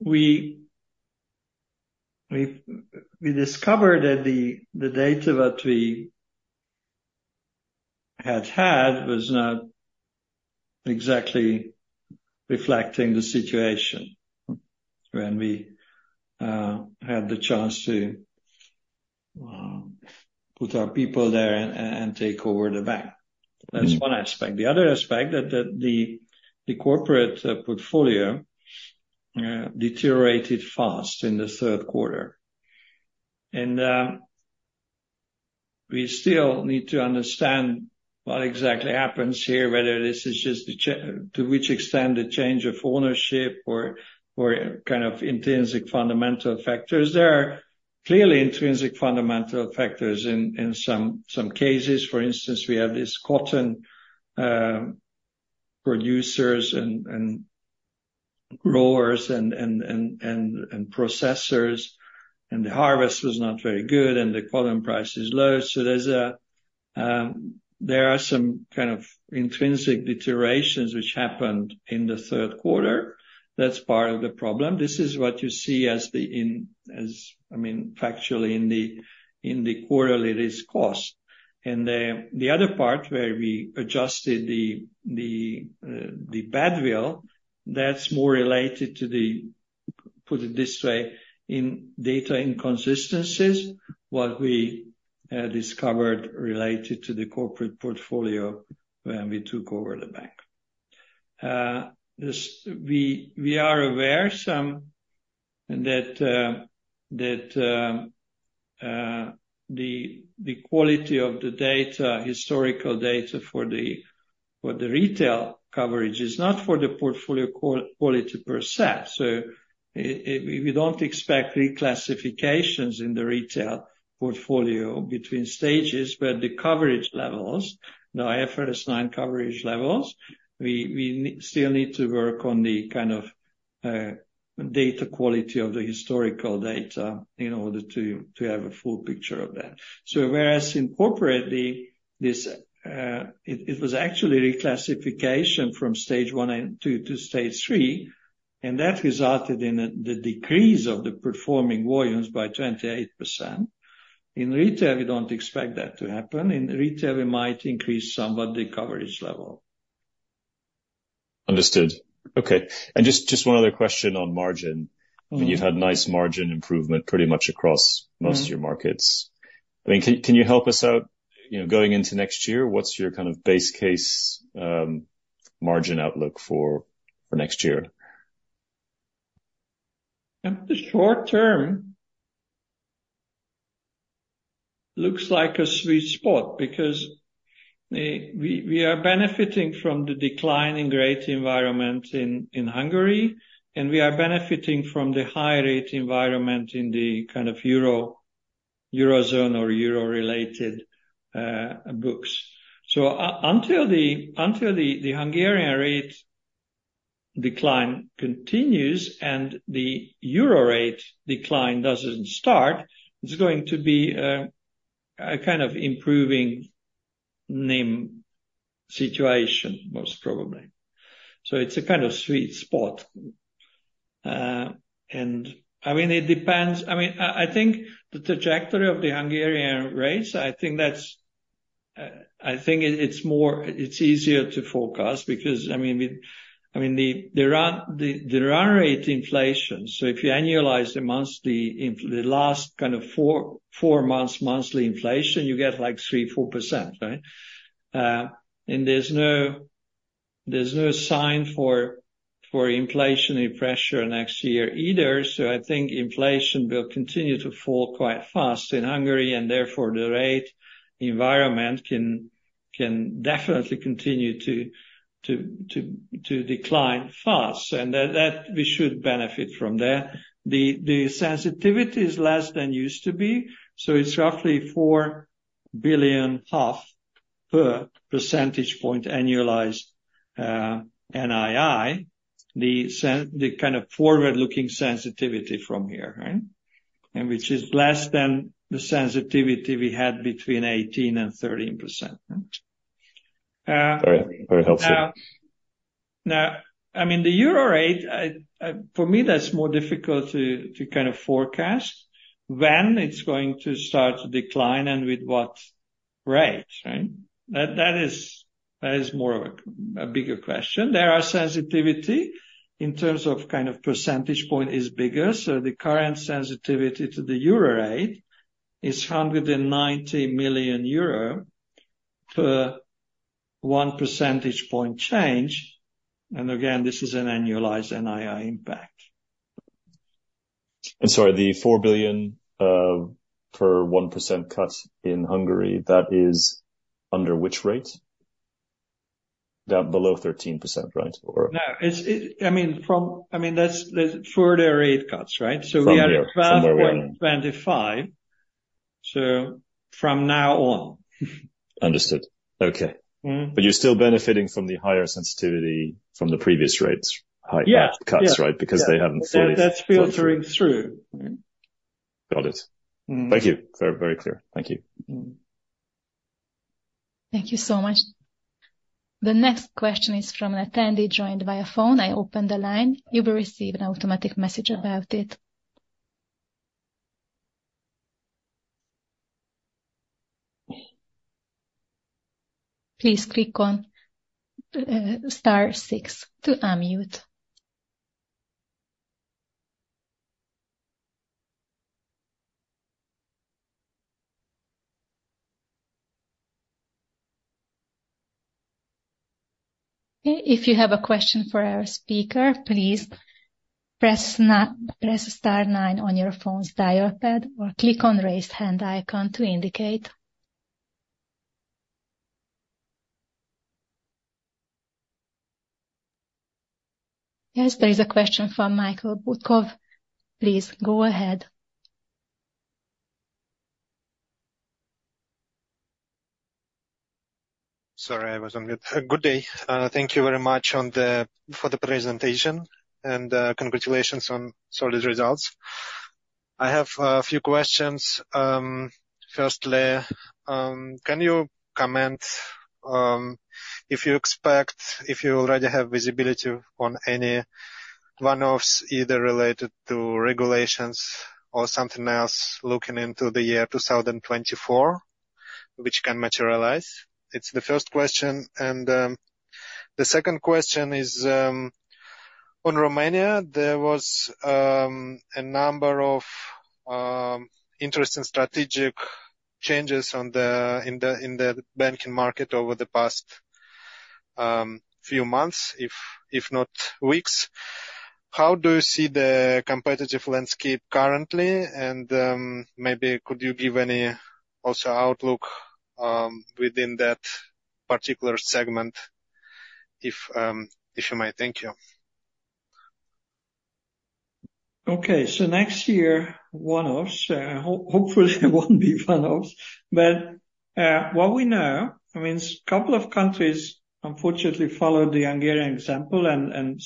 We discovered that the data that we had had was not exactly reflecting the situation when we had the chance to put our people there and take over the bank. That's one aspect. The other aspect, the corporate portfolio deteriorated fast in the third quarter. We still need to understand what exactly happens here, whether this is just to which extent the change of ownership or kind of intrinsic fundamental factors. There are clearly intrinsic fundamental factors in some cases. For instance, we have these cotton producers and growers and processors, and the harvest was not very good, and the cotton price is low. There are some kind of intrinsic deteriorations which happened in the third quarter. That's part of the problem. This is what you see as, I mean, factually in the quarterly risk cost. The other part where we adjusted the badwill, that's more related to the, put it this way, data inconsistencies, what we discovered related to the corporate portfolio when we took over the bank. We are aware some that the quality of the historical data for the retail coverage is not for the portfolio quality per se. So we don't expect reclassifications in the retail portfolio between stages, but the coverage levels, now IFRS 9 coverage levels, we still need to work on the kind of data quality of the historical data in order to have a full picture of that. So whereas in corporate, it was actually reclassification from Stage 1 to Stage 3, and that resulted in the decrease of the performing volumes by 28%. In retail, we don't expect that to happen. In retail, we might increase somewhat the coverage level. Understood. Okay. And just one other question on margin. I mean, you've had nice margin improvement pretty much across most of your markets. I mean, can you help us out going into next year? What's your kind of base case margin outlook for next year? The short term looks like a sweet spot because we are benefiting from the declining rate environment in Hungary, and we are benefiting from the high-rate environment in the kind of Eurozone or Euro-related books. So until the Hungarian rate decline continues and the Euro rate decline doesn't start, it's going to be a kind of improving name situation, most probably. So it's a kind of sweet spot. And I mean, it depends. I mean, I think the trajectory of the Hungarian rates, I think it's easier to forecast because, I mean, the run rate inflation, so if you annualize the last kind of four months' monthly inflation, you get like 3%-4%, right? And there's no sign for inflationary pressure next year either. So I think inflation will continue to fall quite fast in Hungary, and therefore the rate environment can definitely continue to decline fast. We should benefit from there. The sensitivity is less than used to be. It's roughly 4.5 billion per percentage point annualized NII, the kind of forward-looking sensitivity from here, right? Which is less than the sensitivity we had between 18% and 13%. Very helpful. Now, I mean, the euro rate, for me, that's more difficult to kind of forecast when it's going to start to decline and with what rate, right? That is more of a bigger question. There are sensitivity in terms of kind of percentage point is bigger. So the current sensitivity to the euro rate is 190 million euro per 1 percentage point change. And again, this is an annualized NII impact. And sorry, the 4 billion per 1% cut in Hungary, that is under which rate? Below 13%, right? No. I mean, that's further rate cuts, right? So we are fast. From here, somewhere around. So from now on. Understood. Okay. But you're still benefiting from the higher sensitivity from the previous rate cuts, right? Because they haven't fully. Yeah. That's filtering through, right? Got it. Thank you. Very clear. Thank you. Thank you so much. The next question is from an attendee joined via phone. I opened the line. You will receive an automatic message about it. Please click on star six to unmute. If you have a question for our speaker, please press star nine on your phone's dial pad or click on the raise hand icon to indicate. Yes, there is a question from Mikhail Butkov. Please go ahead. Sorry, I was on mute. Good day. Thank you very much for the presentation and congratulations on solid results. I have a few questions. Firstly, can you comment if you expect if you already have visibility on any one-offs either related to regulations or something else looking into the year 2024, which can materialize? It's the first question. The second question is on Romania. There was a number of interesting strategic changes in the banking market over the past few months, if not weeks. How do you see the competitive landscape currently? And maybe could you give any also outlook within that particular segment, if you may? Thank you. Okay. Next year, one-offs. Hopefully, it won't be one-offs. But what we know, I mean, a couple of countries, unfortunately, followed the Hungarian example and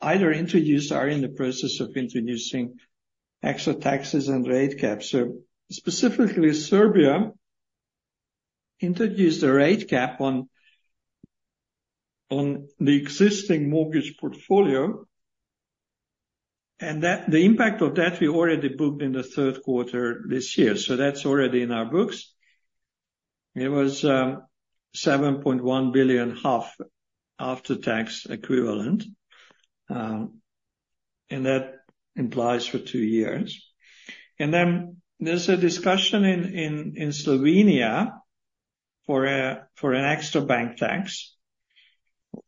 either introduced or are in the process of introducing extra taxes and rate caps. Specifically, Serbia introduced a rate cap on the existing mortgage portfolio. And the impact of that, we already booked in the third quarter this year. That's already in our books. It was 7.1 billion and a half after-tax equivalent. And that implies for two years. And then there's a discussion in Slovenia for an extra bank tax,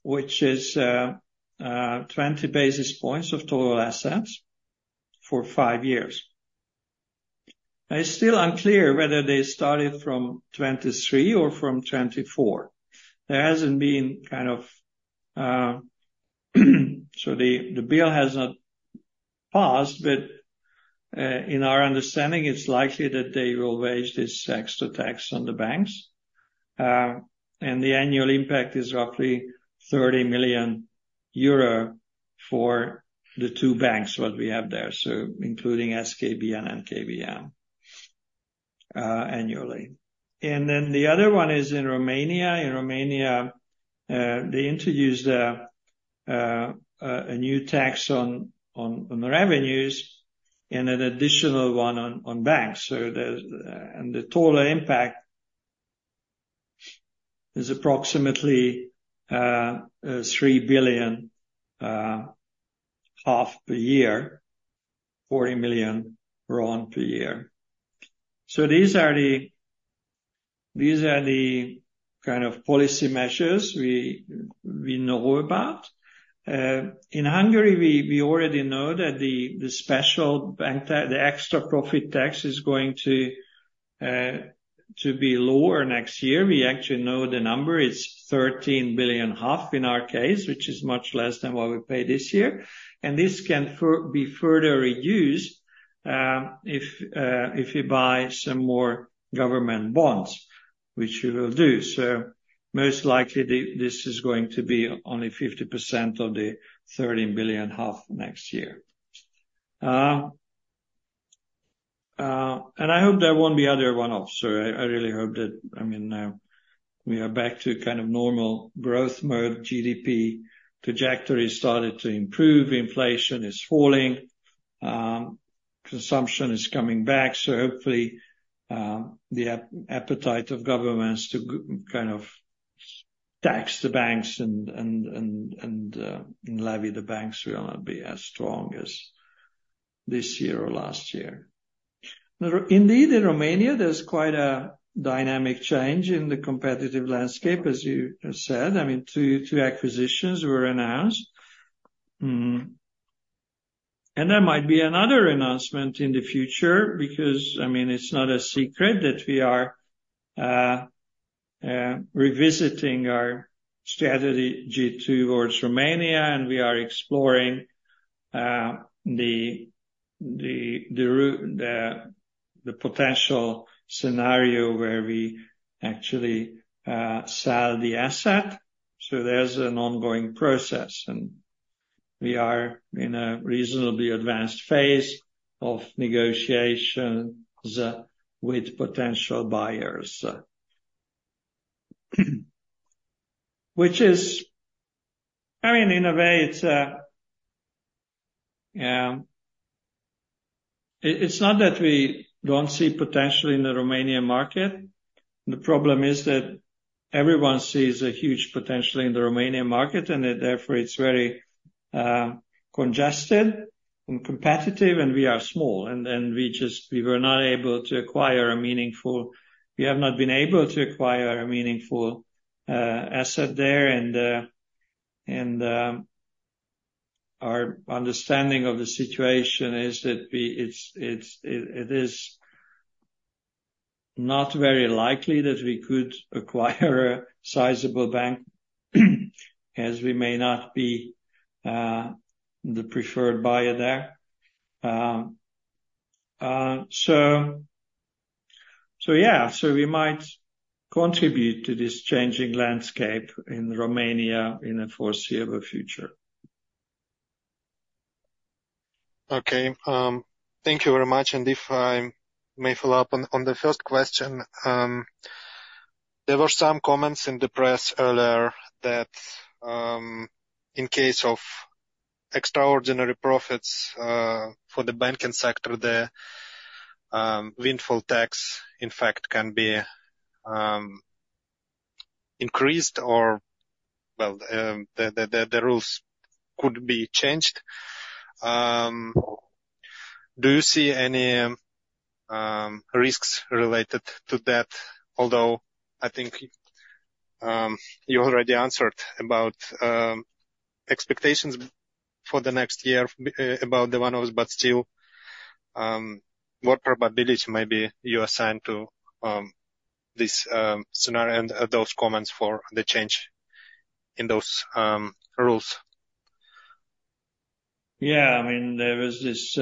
which is 20 basis points of total assets for five years. It's still unclear whether they started from 2023 or from 2024. There hasn't been, so the bill has not passed, but in our understanding, it's likely that they will levy this extra tax on the banks. The annual impact is roughly 30 million euro for the two banks, what we have there, so including SKB and NKBM annually. Then the other one is in Romania. In Romania, they introduced a new tax on revenues and an additional one on banks. The total impact is approximately 3.5 billion per year, RON 40 million per year. These are the kind of policy measures we know about. In Hungary, we already know that the extra profit tax is going to be lower next year. We actually know the number. It's 13.5 billion in our case, which is much less than what we paid this year. This can be further reduced if you buy some more government bonds, which you will do. So most likely, this is going to be only 50% of the 13.5 billion next year. I hope there won't be other one-offs. I really hope that, I mean, we are back to kind of normal growth mode. GDP trajectory started to improve. Inflation is falling. Consumption is coming back. So hopefully, the appetite of governments to kind of tax the banks and levy the banks will not be as strong as this year or last year. Indeed, in Romania, there's quite a dynamic change in the competitive landscape, as you said. I mean, two acquisitions were announced. There might be another announcement in the future because, I mean, it's not a secret that we are revisiting our strategy towards Romania, and we are exploring the potential scenario where we actually sell the asset. So there's an ongoing process, and we are in a reasonably advanced phase of negotiations with potential buyers, which is, I mean, in a way, it's not that we don't see potential in the Romanian market. The problem is that everyone sees a huge potential in the Romanian market, and therefore, it's very congested and competitive, and we are small. We have not been able to acquire a meaningful asset there. Our understanding of the situation is that it is not very likely that we could acquire a sizable bank as we may not be the preferred buyer there. So yeah, so we might contribute to this changing landscape in Romania in a foreseeable future. Okay. Thank you very much. And if I may follow up on the first question, there were some comments in the press earlier that in case of extraordinary profits for the banking sector, the windfall tax, in fact, can be increased or, well, the rules could be changed. Do you see any risks related to that? Although I think you already answered about expectations for the next year about the one-offs, but still, what probability maybe you assign to this scenario and those comments for the change in those rules? Yeah. I mean, there was this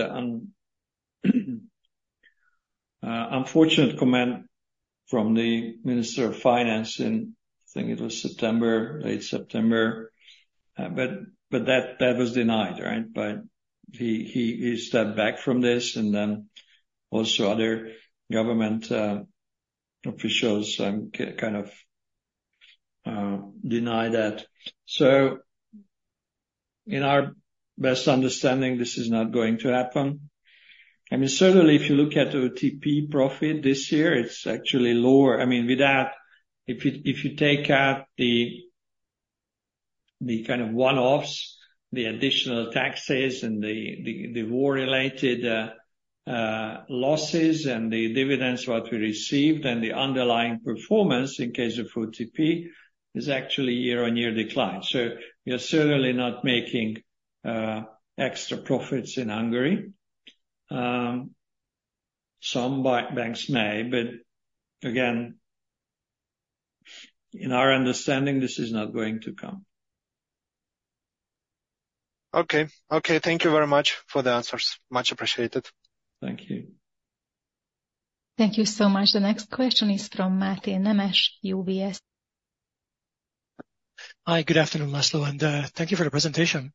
unfortunate comment from the Minister of Finance in, I think it was September, late September. But that was denied, right? But he stepped back from this, and then also other government officials kind of denied that. So in our best understanding, this is not going to happen. I mean, certainly, if you look at OTP profit this year, it's actually lower. I mean, with that, if you take out the kind of one-offs, the additional taxes, and the war-related losses and the dividends, what we received, and the underlying performance in case of OTP is actually year-on-year decline. So you're certainly not making extra profits in Hungary. Some banks may. But again, in our understanding, this is not going to come. Okay. Okay. Thank you very much for the answers. Much appreciated. Thank you. Thank you so much. The next question is from Máté Nemes, UBS. Hi. Good afternoon, László, and thank you for the presentation.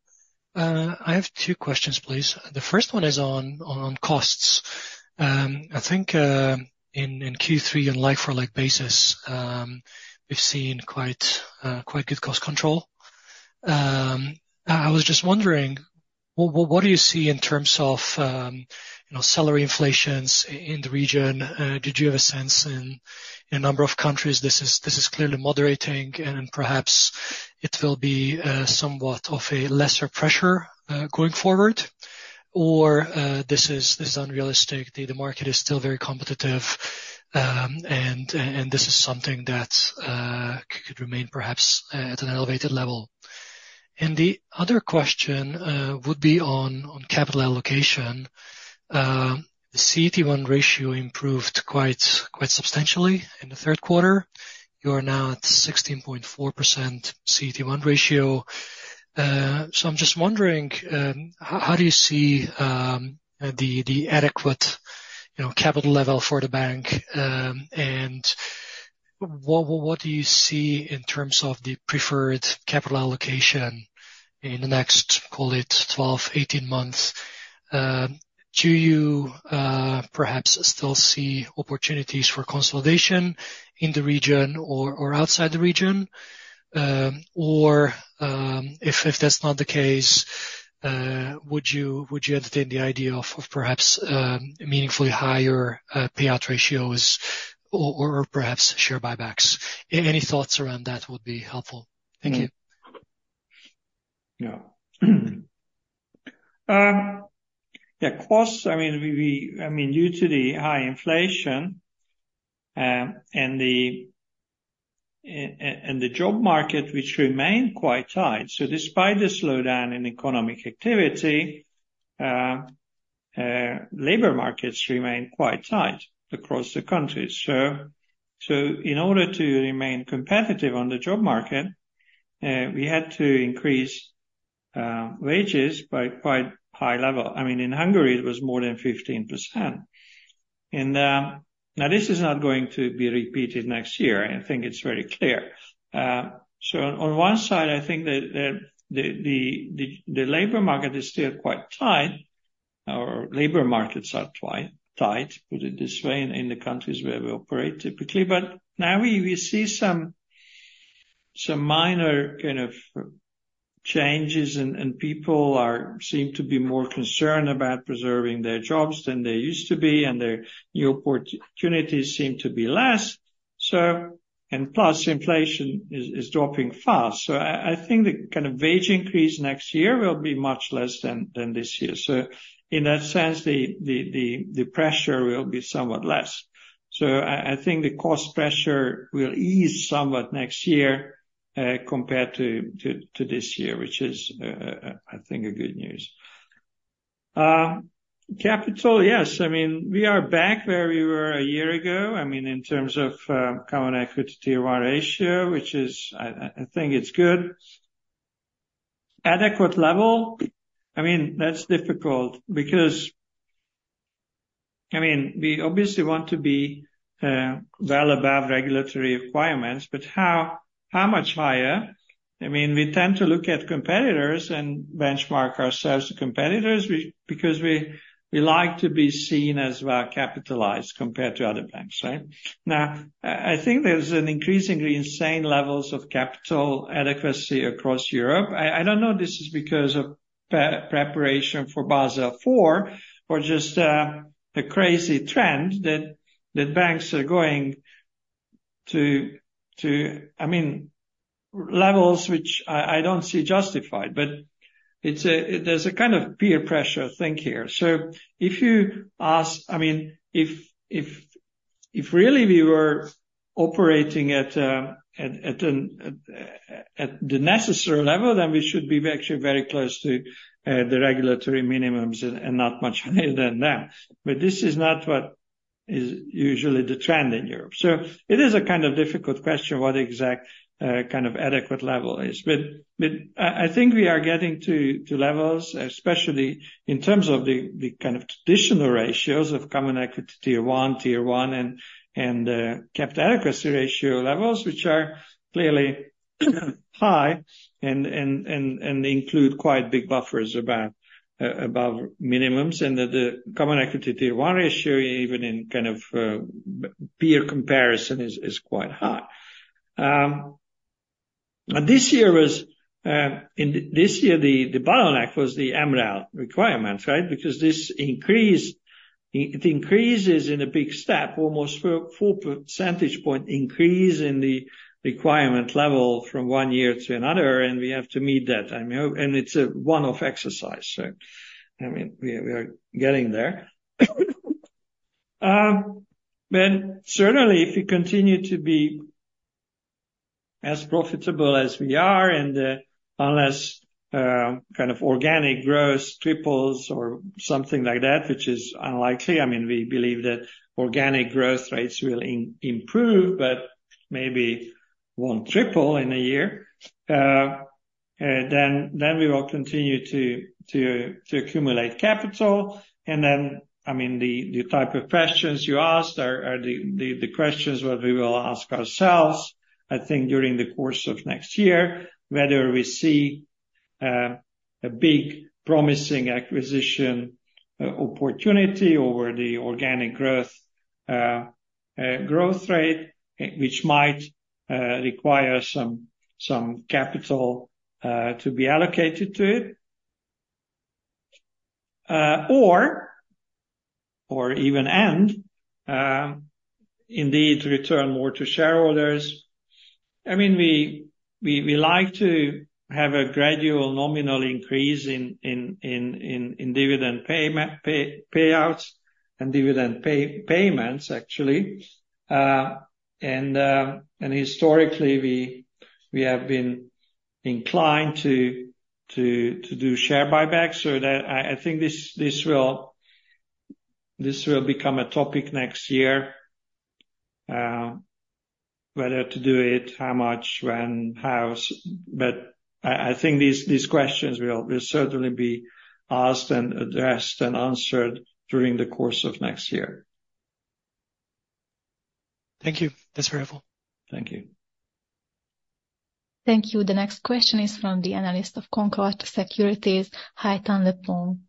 I have two questions, please. The first one is on costs. I think in Q3 and like-for-like basis, we've seen quite good cost control. I was just wondering, what do you see in terms of salary inflations in the region? Did you have a sense in a number of countries this is clearly moderating, and perhaps it will be somewhat of a lesser pressure going forward? Or this is unrealistic. The market is still very competitive, and this is something that could remain perhaps at an elevated level. And the other question would be on capital allocation. The CET1 ratio improved quite substantially in the third quarter. You are now at 16.4% CET1 ratio. So I'm just wondering, how do you see the adequate capital level for the bank? What do you see in terms of the preferred capital allocation in the next, call it, 12, 18 months? Do you perhaps still see opportunities for consolidation in the region or outside the region? Or if that's not the case, would you entertain the idea of perhaps meaningfully higher payout ratios or perhaps share buybacks? Any thoughts around that would be helpful. Thank you. Yeah. Yeah. Costs, I mean, due to the high inflation and the job market, which remained quite tight. So despite the slowdown in economic activity, labor markets remained quite tight across the country. So in order to remain competitive on the job market, we had to increase wages by quite high level. I mean, in Hungary, it was more than 15%. And now, this is not going to be repeated next year. I think it's very clear. So on one side, I think that the labor market is still quite tight, or labor markets are tight, put it this way, in the countries where we operate typically. But now, we see some minor kind of changes, and people seem to be more concerned about preserving their jobs than they used to be, and their new opportunities seem to be less. And plus, inflation is dropping fast. So I think the kind of wage increase next year will be much less than this year. So in that sense, the pressure will be somewhat less. So I think the cost pressure will ease somewhat next year compared to this year, which is, I think, good news. Capital, yes. I mean, we are back where we were a year ago, I mean, in terms of Common Equity Tier 1 ratio, which I think it's good. Adequate level, I mean, that's difficult because, I mean, we obviously want to be well above regulatory requirements. But how much higher? I mean, we tend to look at competitors and benchmark ourselves to competitors because we like to be seen as well capitalized compared to other banks, right? Now, I think there's an increasingly insane level of capital adequacy across Europe. I don't know if this is because of preparation for Basel IV or just the crazy trend that banks are going to, I mean, levels which I don't see justified. But there's a kind of peer pressure thing here. So if you ask, I mean, if really we were operating at the necessary level, then we should be actually very close to the regulatory minimums and not much higher than them. But this is not what is usually the trend in Europe. So it is a kind of difficult question what exact kind of adequate level is. But I think we are getting to levels, especially in terms of the kind of traditional ratios of Common Equity Tier 1, Tier 1, and capital adequacy ratio levels, which are clearly high and include quite big buffers above minimums. The common equity Tier 1 ratio, even in kind of peer comparison, is quite high. This year, the bottleneck was the MREL requirements, right? Because it increases in a big step, almost a 4 percentage point increase in the requirement level from one year to another, and we have to meet that. It's a one-off exercise. I mean, we are getting there. But certainly, if we continue to be as profitable as we are and unless kind of organic growth triples or something like that, which is unlikely, I mean, we believe that organic growth rates will improve but maybe won't triple in a year, then we will continue to accumulate capital. Then, I mean, the type of questions you asked are the questions what we will ask ourselves, I think, during the course of next year, whether we see a big promising acquisition opportunity over the organic growth rate, which might require some capital to be allocated to it, or even, indeed, return more to shareholders. I mean, we like to have a gradual nominal increase in dividend payouts and dividend payments, actually. Historically, we have been inclined to do share buybacks. So I think this will become a topic next year, whether to do it, how much, when, how. But I think these questions will certainly be asked and addressed and answered during the course of next year. Thank you. That's very helpful. Thank you. Thank you. The next question is from the analyst of Concorde Securities, Hajnalka Pongrácz.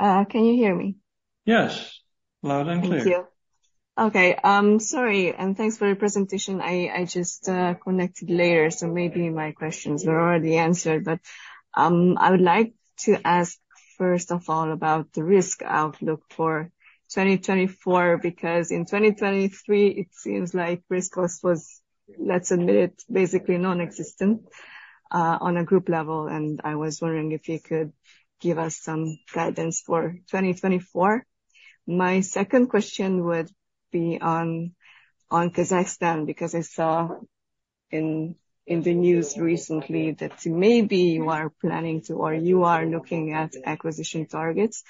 Hi. Can you hear me? Yes. Loud and clear. Thank you. Okay. Sorry. Thanks for your presentation. I just connected later, so maybe my questions were already answered. But I would like to ask, first of all, about the risk outlook for 2024 because in 2023, it seems like risk cost was, let's admit it, basically nonexistent on a group level. I was wondering if you could give us some guidance for 2024. My second question would be on Kazakhstan because I saw in the news recently that maybe you are planning to or you are looking at acquisition targets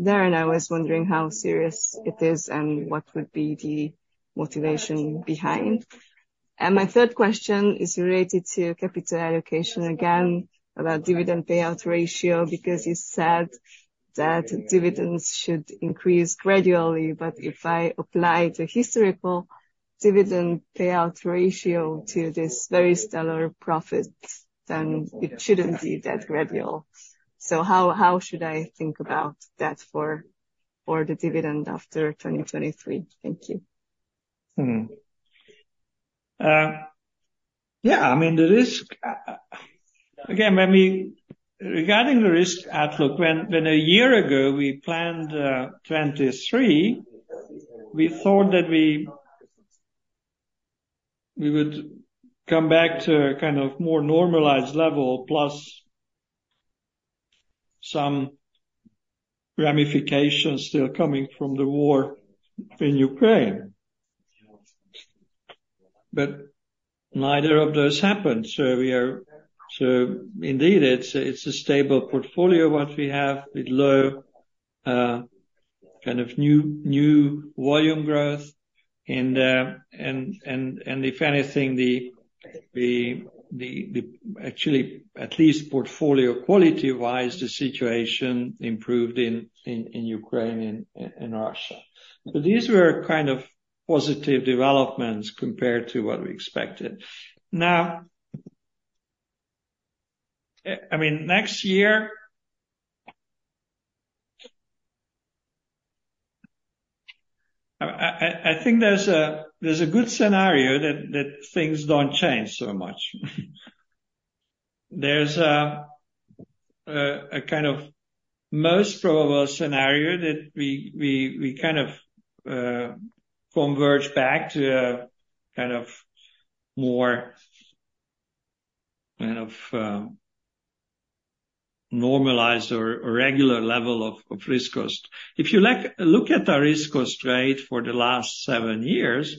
there. I was wondering how serious it is and what would be the motivation behind. My third question is related to capital allocation, again, about dividend payout ratio because you said that dividends should increase gradually. If I apply the historical dividend payout ratio to this very stellar profit, then it shouldn't be that gradual. How should I think about that for the dividend after 2023? Thank you. Yeah. I mean, again, regarding the risk outlook, when a year ago, we planned 2023, we thought that we would come back to a kind of more normalized level plus some ramifications still coming from the war in Ukraine. But neither of those happened. So indeed, it's a stable portfolio, what we have, with low kind of new volume growth. And if anything, actually, at least portfolio quality-wise, the situation improved in Ukraine and Russia. So these were kind of positive developments compared to what we expected. Now, I mean, next year, I think there's a good scenario that things don't change so much. There's a kind of most probable scenario that we kind of converge back to a kind of more kind of normalized or regular level of risk cost. If you look at our risk cost rate for the last seven years,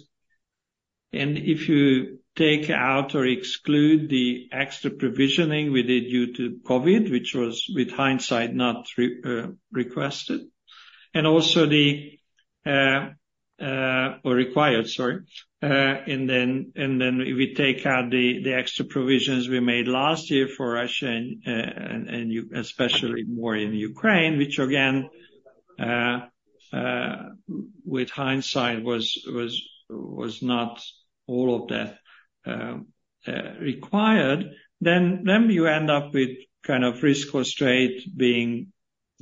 and if you take out or exclude the extra provisioning we did due to COVID, which was, with hindsight, not requested, and also the or required, sorry. And then if we take out the extra provisions we made last year for Russia and especially more in Ukraine, which, again, with hindsight, was not all of that required, then you end up with kind of risk cost rate being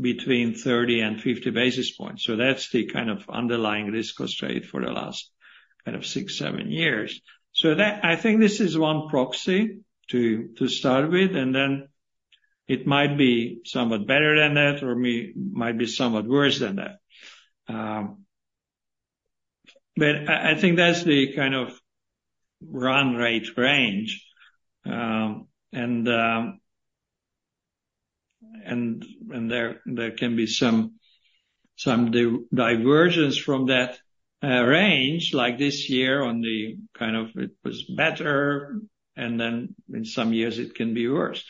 between 30 basis points and 50 basis points. So that's the kind of underlying risk cost rate for the last kind of six-seven years. So I think this is one proxy to start with. And then it might be somewhat better than that, or it might be somewhat worse than that. But I think that's the kind of run rate range. And there can be some divergence from that range, like this year on the kind of it was better, and then in some years, it can be worse.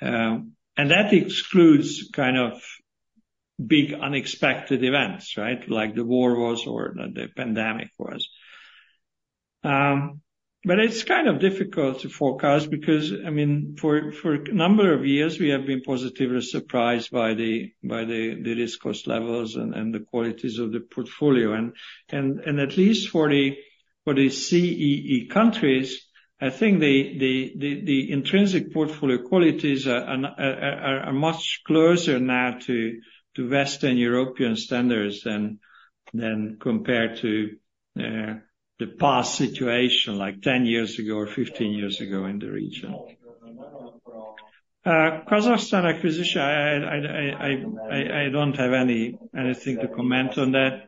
And that excludes kind of big unexpected events, right, like the war was or the pandemic was. But it's kind of difficult to forecast because, I mean, for a number of years, we have been positively surprised by the risk cost levels and the qualities of the portfolio. And at least for the CEE countries, I think the intrinsic portfolio qualities are much closer now to Western European standards than compared to the past situation, like 10 years ago or 15 years ago in the region. Kazakhstan acquisition, I don't have anything to comment on that.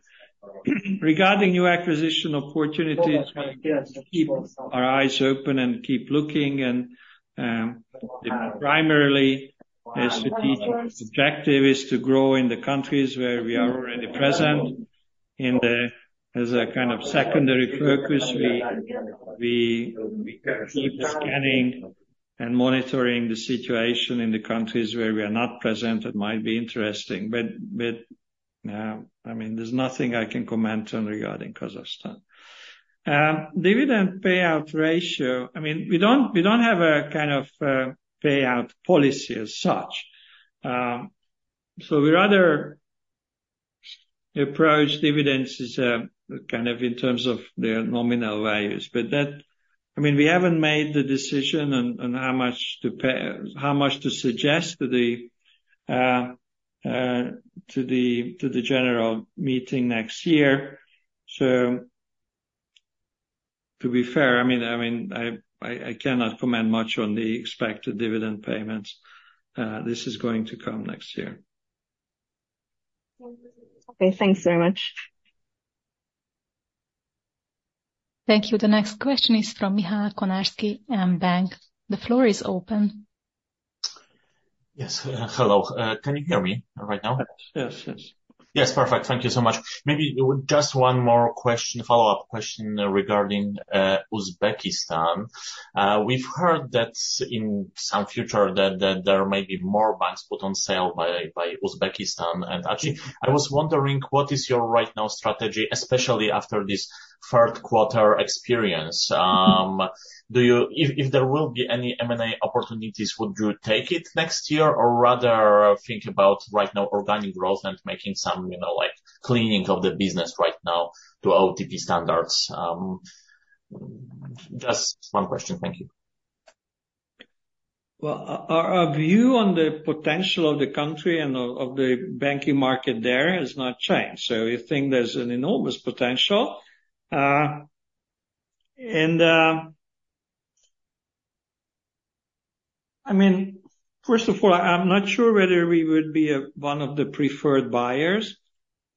Regarding new acquisition opportunities, we want to keep our eyes open and keep looking. Primarily, the strategic objective is to grow in the countries where we are already present. As a kind of secondary focus, we keep scanning and monitoring the situation in the countries where we are not present. It might be interesting. But I mean, there's nothing I can comment on regarding Kazakhstan. Dividend payout ratio, I mean, we don't have a kind of payout policy as such. So we rather approach dividends kind of in terms of their nominal values. But I mean, we haven't made the decision on how much to suggest to the general meeting next year. So to be fair, I mean, I cannot comment much on the expected dividend payments. This is going to come next year. Okay. Thanks very much. Thank you. The next question is from Michał Konarski, mBank. The floor is open. Yes. Hello. Can you hear me right now? Yes. Yes. Yes. Perfect. Thank you so much. Maybe just one more follow-up question regarding Uzbekistan. We've heard that in some future, there may be more banks put on sale by Uzbekistan. And actually, I was wondering, what is your right now strategy, especially after this third quarter experience? If there will be any M&A opportunities, would you take it next year or rather think about right now organic growth and making some cleaning of the business right now to OTP standards? Just one question. Thank you. Well, our view on the potential of the country and of the banking market there has not changed. So we think there's an enormous potential. And I mean, first of all, I'm not sure whether we would be one of the preferred buyers.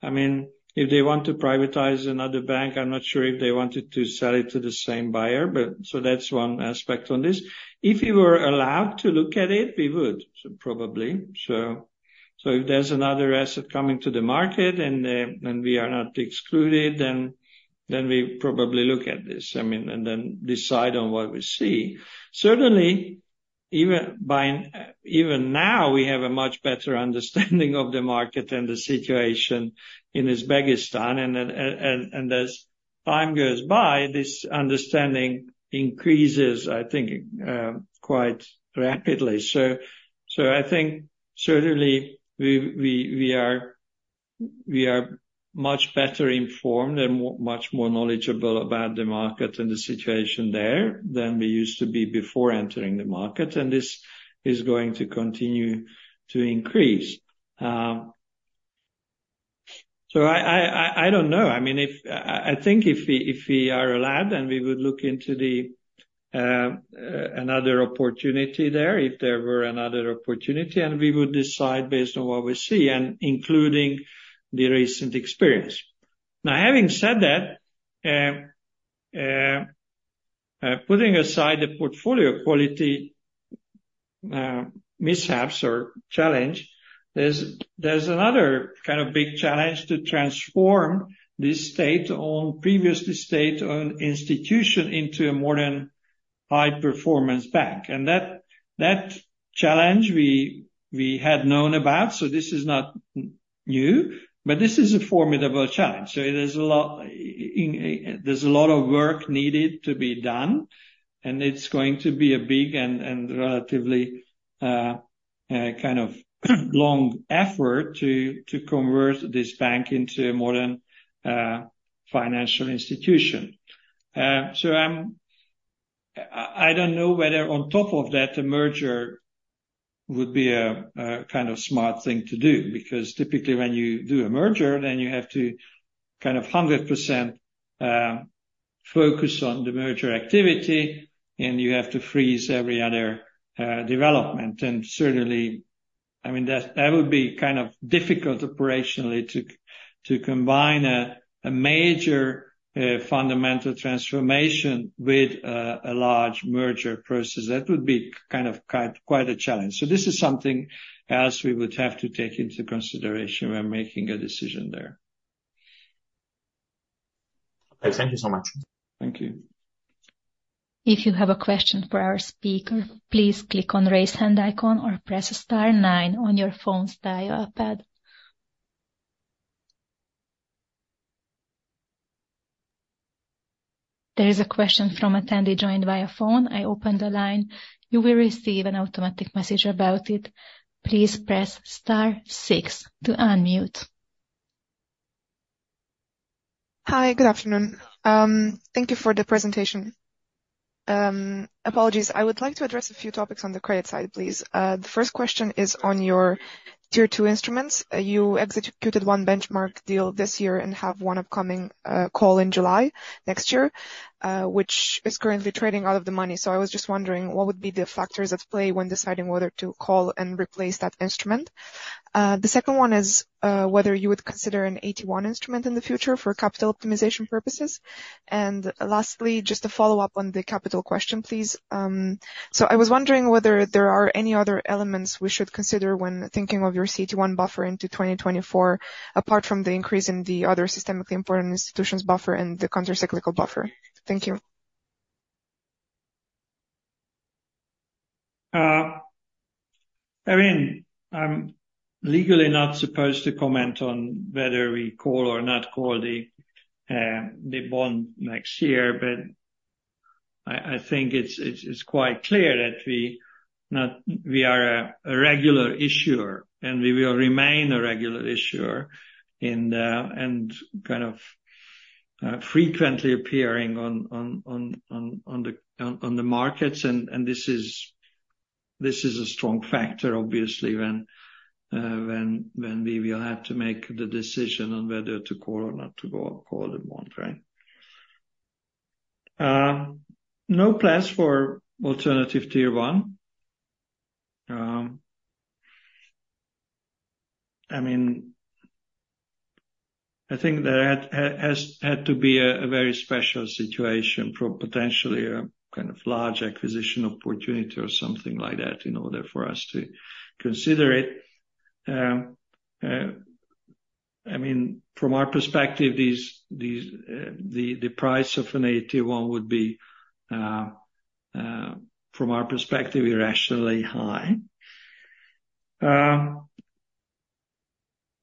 I mean, if they want to privatize another bank, I'm not sure if they wanted to sell it to the same buyer. So that's one aspect on this. If we were allowed to look at it, we would, probably. So if there's another asset coming to the market and we are not excluded, then we probably look at this, I mean, and then decide on what we see. Certainly, even now, we have a much better understanding of the market and the situation in Uzbekistan. And as time goes by, this understanding increases, I think, quite rapidly. So I think, certainly, we are much better informed and much more knowledgeable about the market and the situation there than we used to be before entering the market. And this is going to continue to increase. So I don't know. I mean, I think if we are allowed, then we would look into another opportunity there, if there were another opportunity, and we would decide based on what we see, including the recent experience. Now, having said that, putting aside the portfolio quality mishaps or challenge, there's another kind of big challenge to transform this state-owned, previously state-owned institution into a modern high-performance bank. And that challenge, we had known about. So this is not new. But this is a formidable challenge. So there's a lot of work needed to be done. It's going to be a big and relatively kind of long effort to convert this bank into a modern financial institution. So I don't know whether, on top of that, a merger would be a kind of smart thing to do because, typically, when you do a merger, then you have to kind of 100% focus on the merger activity, and you have to freeze every other development. Certainly, I mean, that would be kind of difficult operationally to combine a major fundamental transformation with a large merger process. That would be kind of quite a challenge. So this is something else we would have to take into consideration when making a decision there. Okay. Thank you so much. Thank you. If you have a question for our speaker, please click on the raise hand icon or press star nine on your phone's dial pad. There is a question from a attendee joined via phone. I opened the line. You will receive an automatic message about it. Please press star six to unmute. Hi. Good afternoon. Thank you for the presentation. Apologies. I would like to address a few topics on the credit side, please. The first question is on your Tier 2 instruments. You executed one benchmark deal this year and have one upcoming call in July next year, which is currently trading out of the money. So I was just wondering, what would be the factors at play when deciding whether to call and replace that instrument? The second one is whether you would consider an AT1 instrument in the future for capital optimization purposes. And lastly, just a follow-up on the capital question, please. So I was wondering whether there are any other elements we should consider when thinking of your CET1 buffer into 2024 apart from the increase in the other systemically important institutions buffer and the countercyclical buffer. Thank you. I mean, I'm legally not supposed to comment on whether we call or not call the bond next year. But I think it's quite clear that we are a regular issuer, and we will remain a regular issuer and kind of frequently appearing on the markets. And this is a strong factor, obviously, when we will have to make the decision on whether to call or not to call the bond, right? No plans for alternative tier one. I mean, I think there had to be a very special situation, potentially a kind of large acquisition opportunity or something like that in order for us to consider it. I mean, from our perspective, the price of an AT1 would be, from our perspective, irrationally high.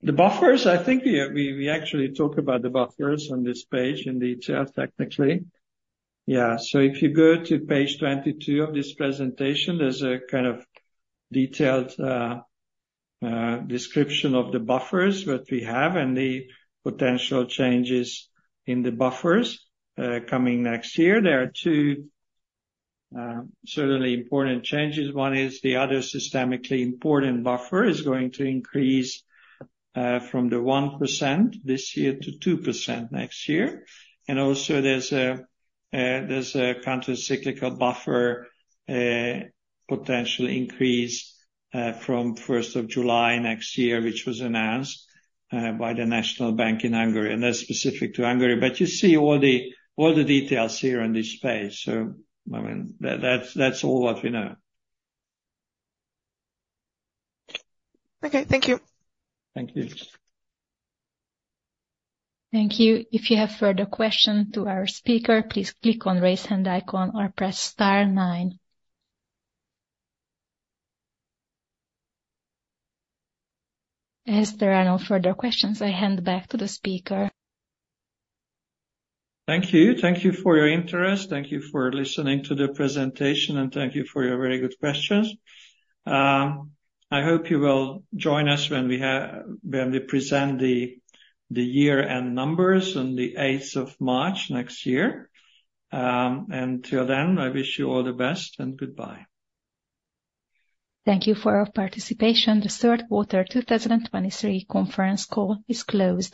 The buffers, I think we actually talk about the buffers on this page in detail, technically. Yeah. So if you go to page 22 of this presentation, there's a kind of detailed description of the buffers that we have and the potential changes in the buffers coming next year. There are two certainly important changes. One is the other systemically important buffer is going to increase from the 1% this year to 2% next year. And also, there's a countercyclical buffer potential increase from 1st of July next year, which was announced by the National Bank in Hungary. And that's specific to Hungary. But you see all the details here on this page. So I mean, that's all what we know. Okay. Thank you. Thank you. Thank you. If you have further questions to our speaker, please click on the raise hand icon or press star nine. As there are no further questions, I hand back to the speaker. Thank you. Thank you for your interest. Thank you for listening to the presentation, and thank you for your very good questions. I hope you will join us when we present the year-end numbers on the 8th of March next year. Till then, I wish you all the best, and goodbye. Thank you for your participation. The third quarter 2023 conference call is closed.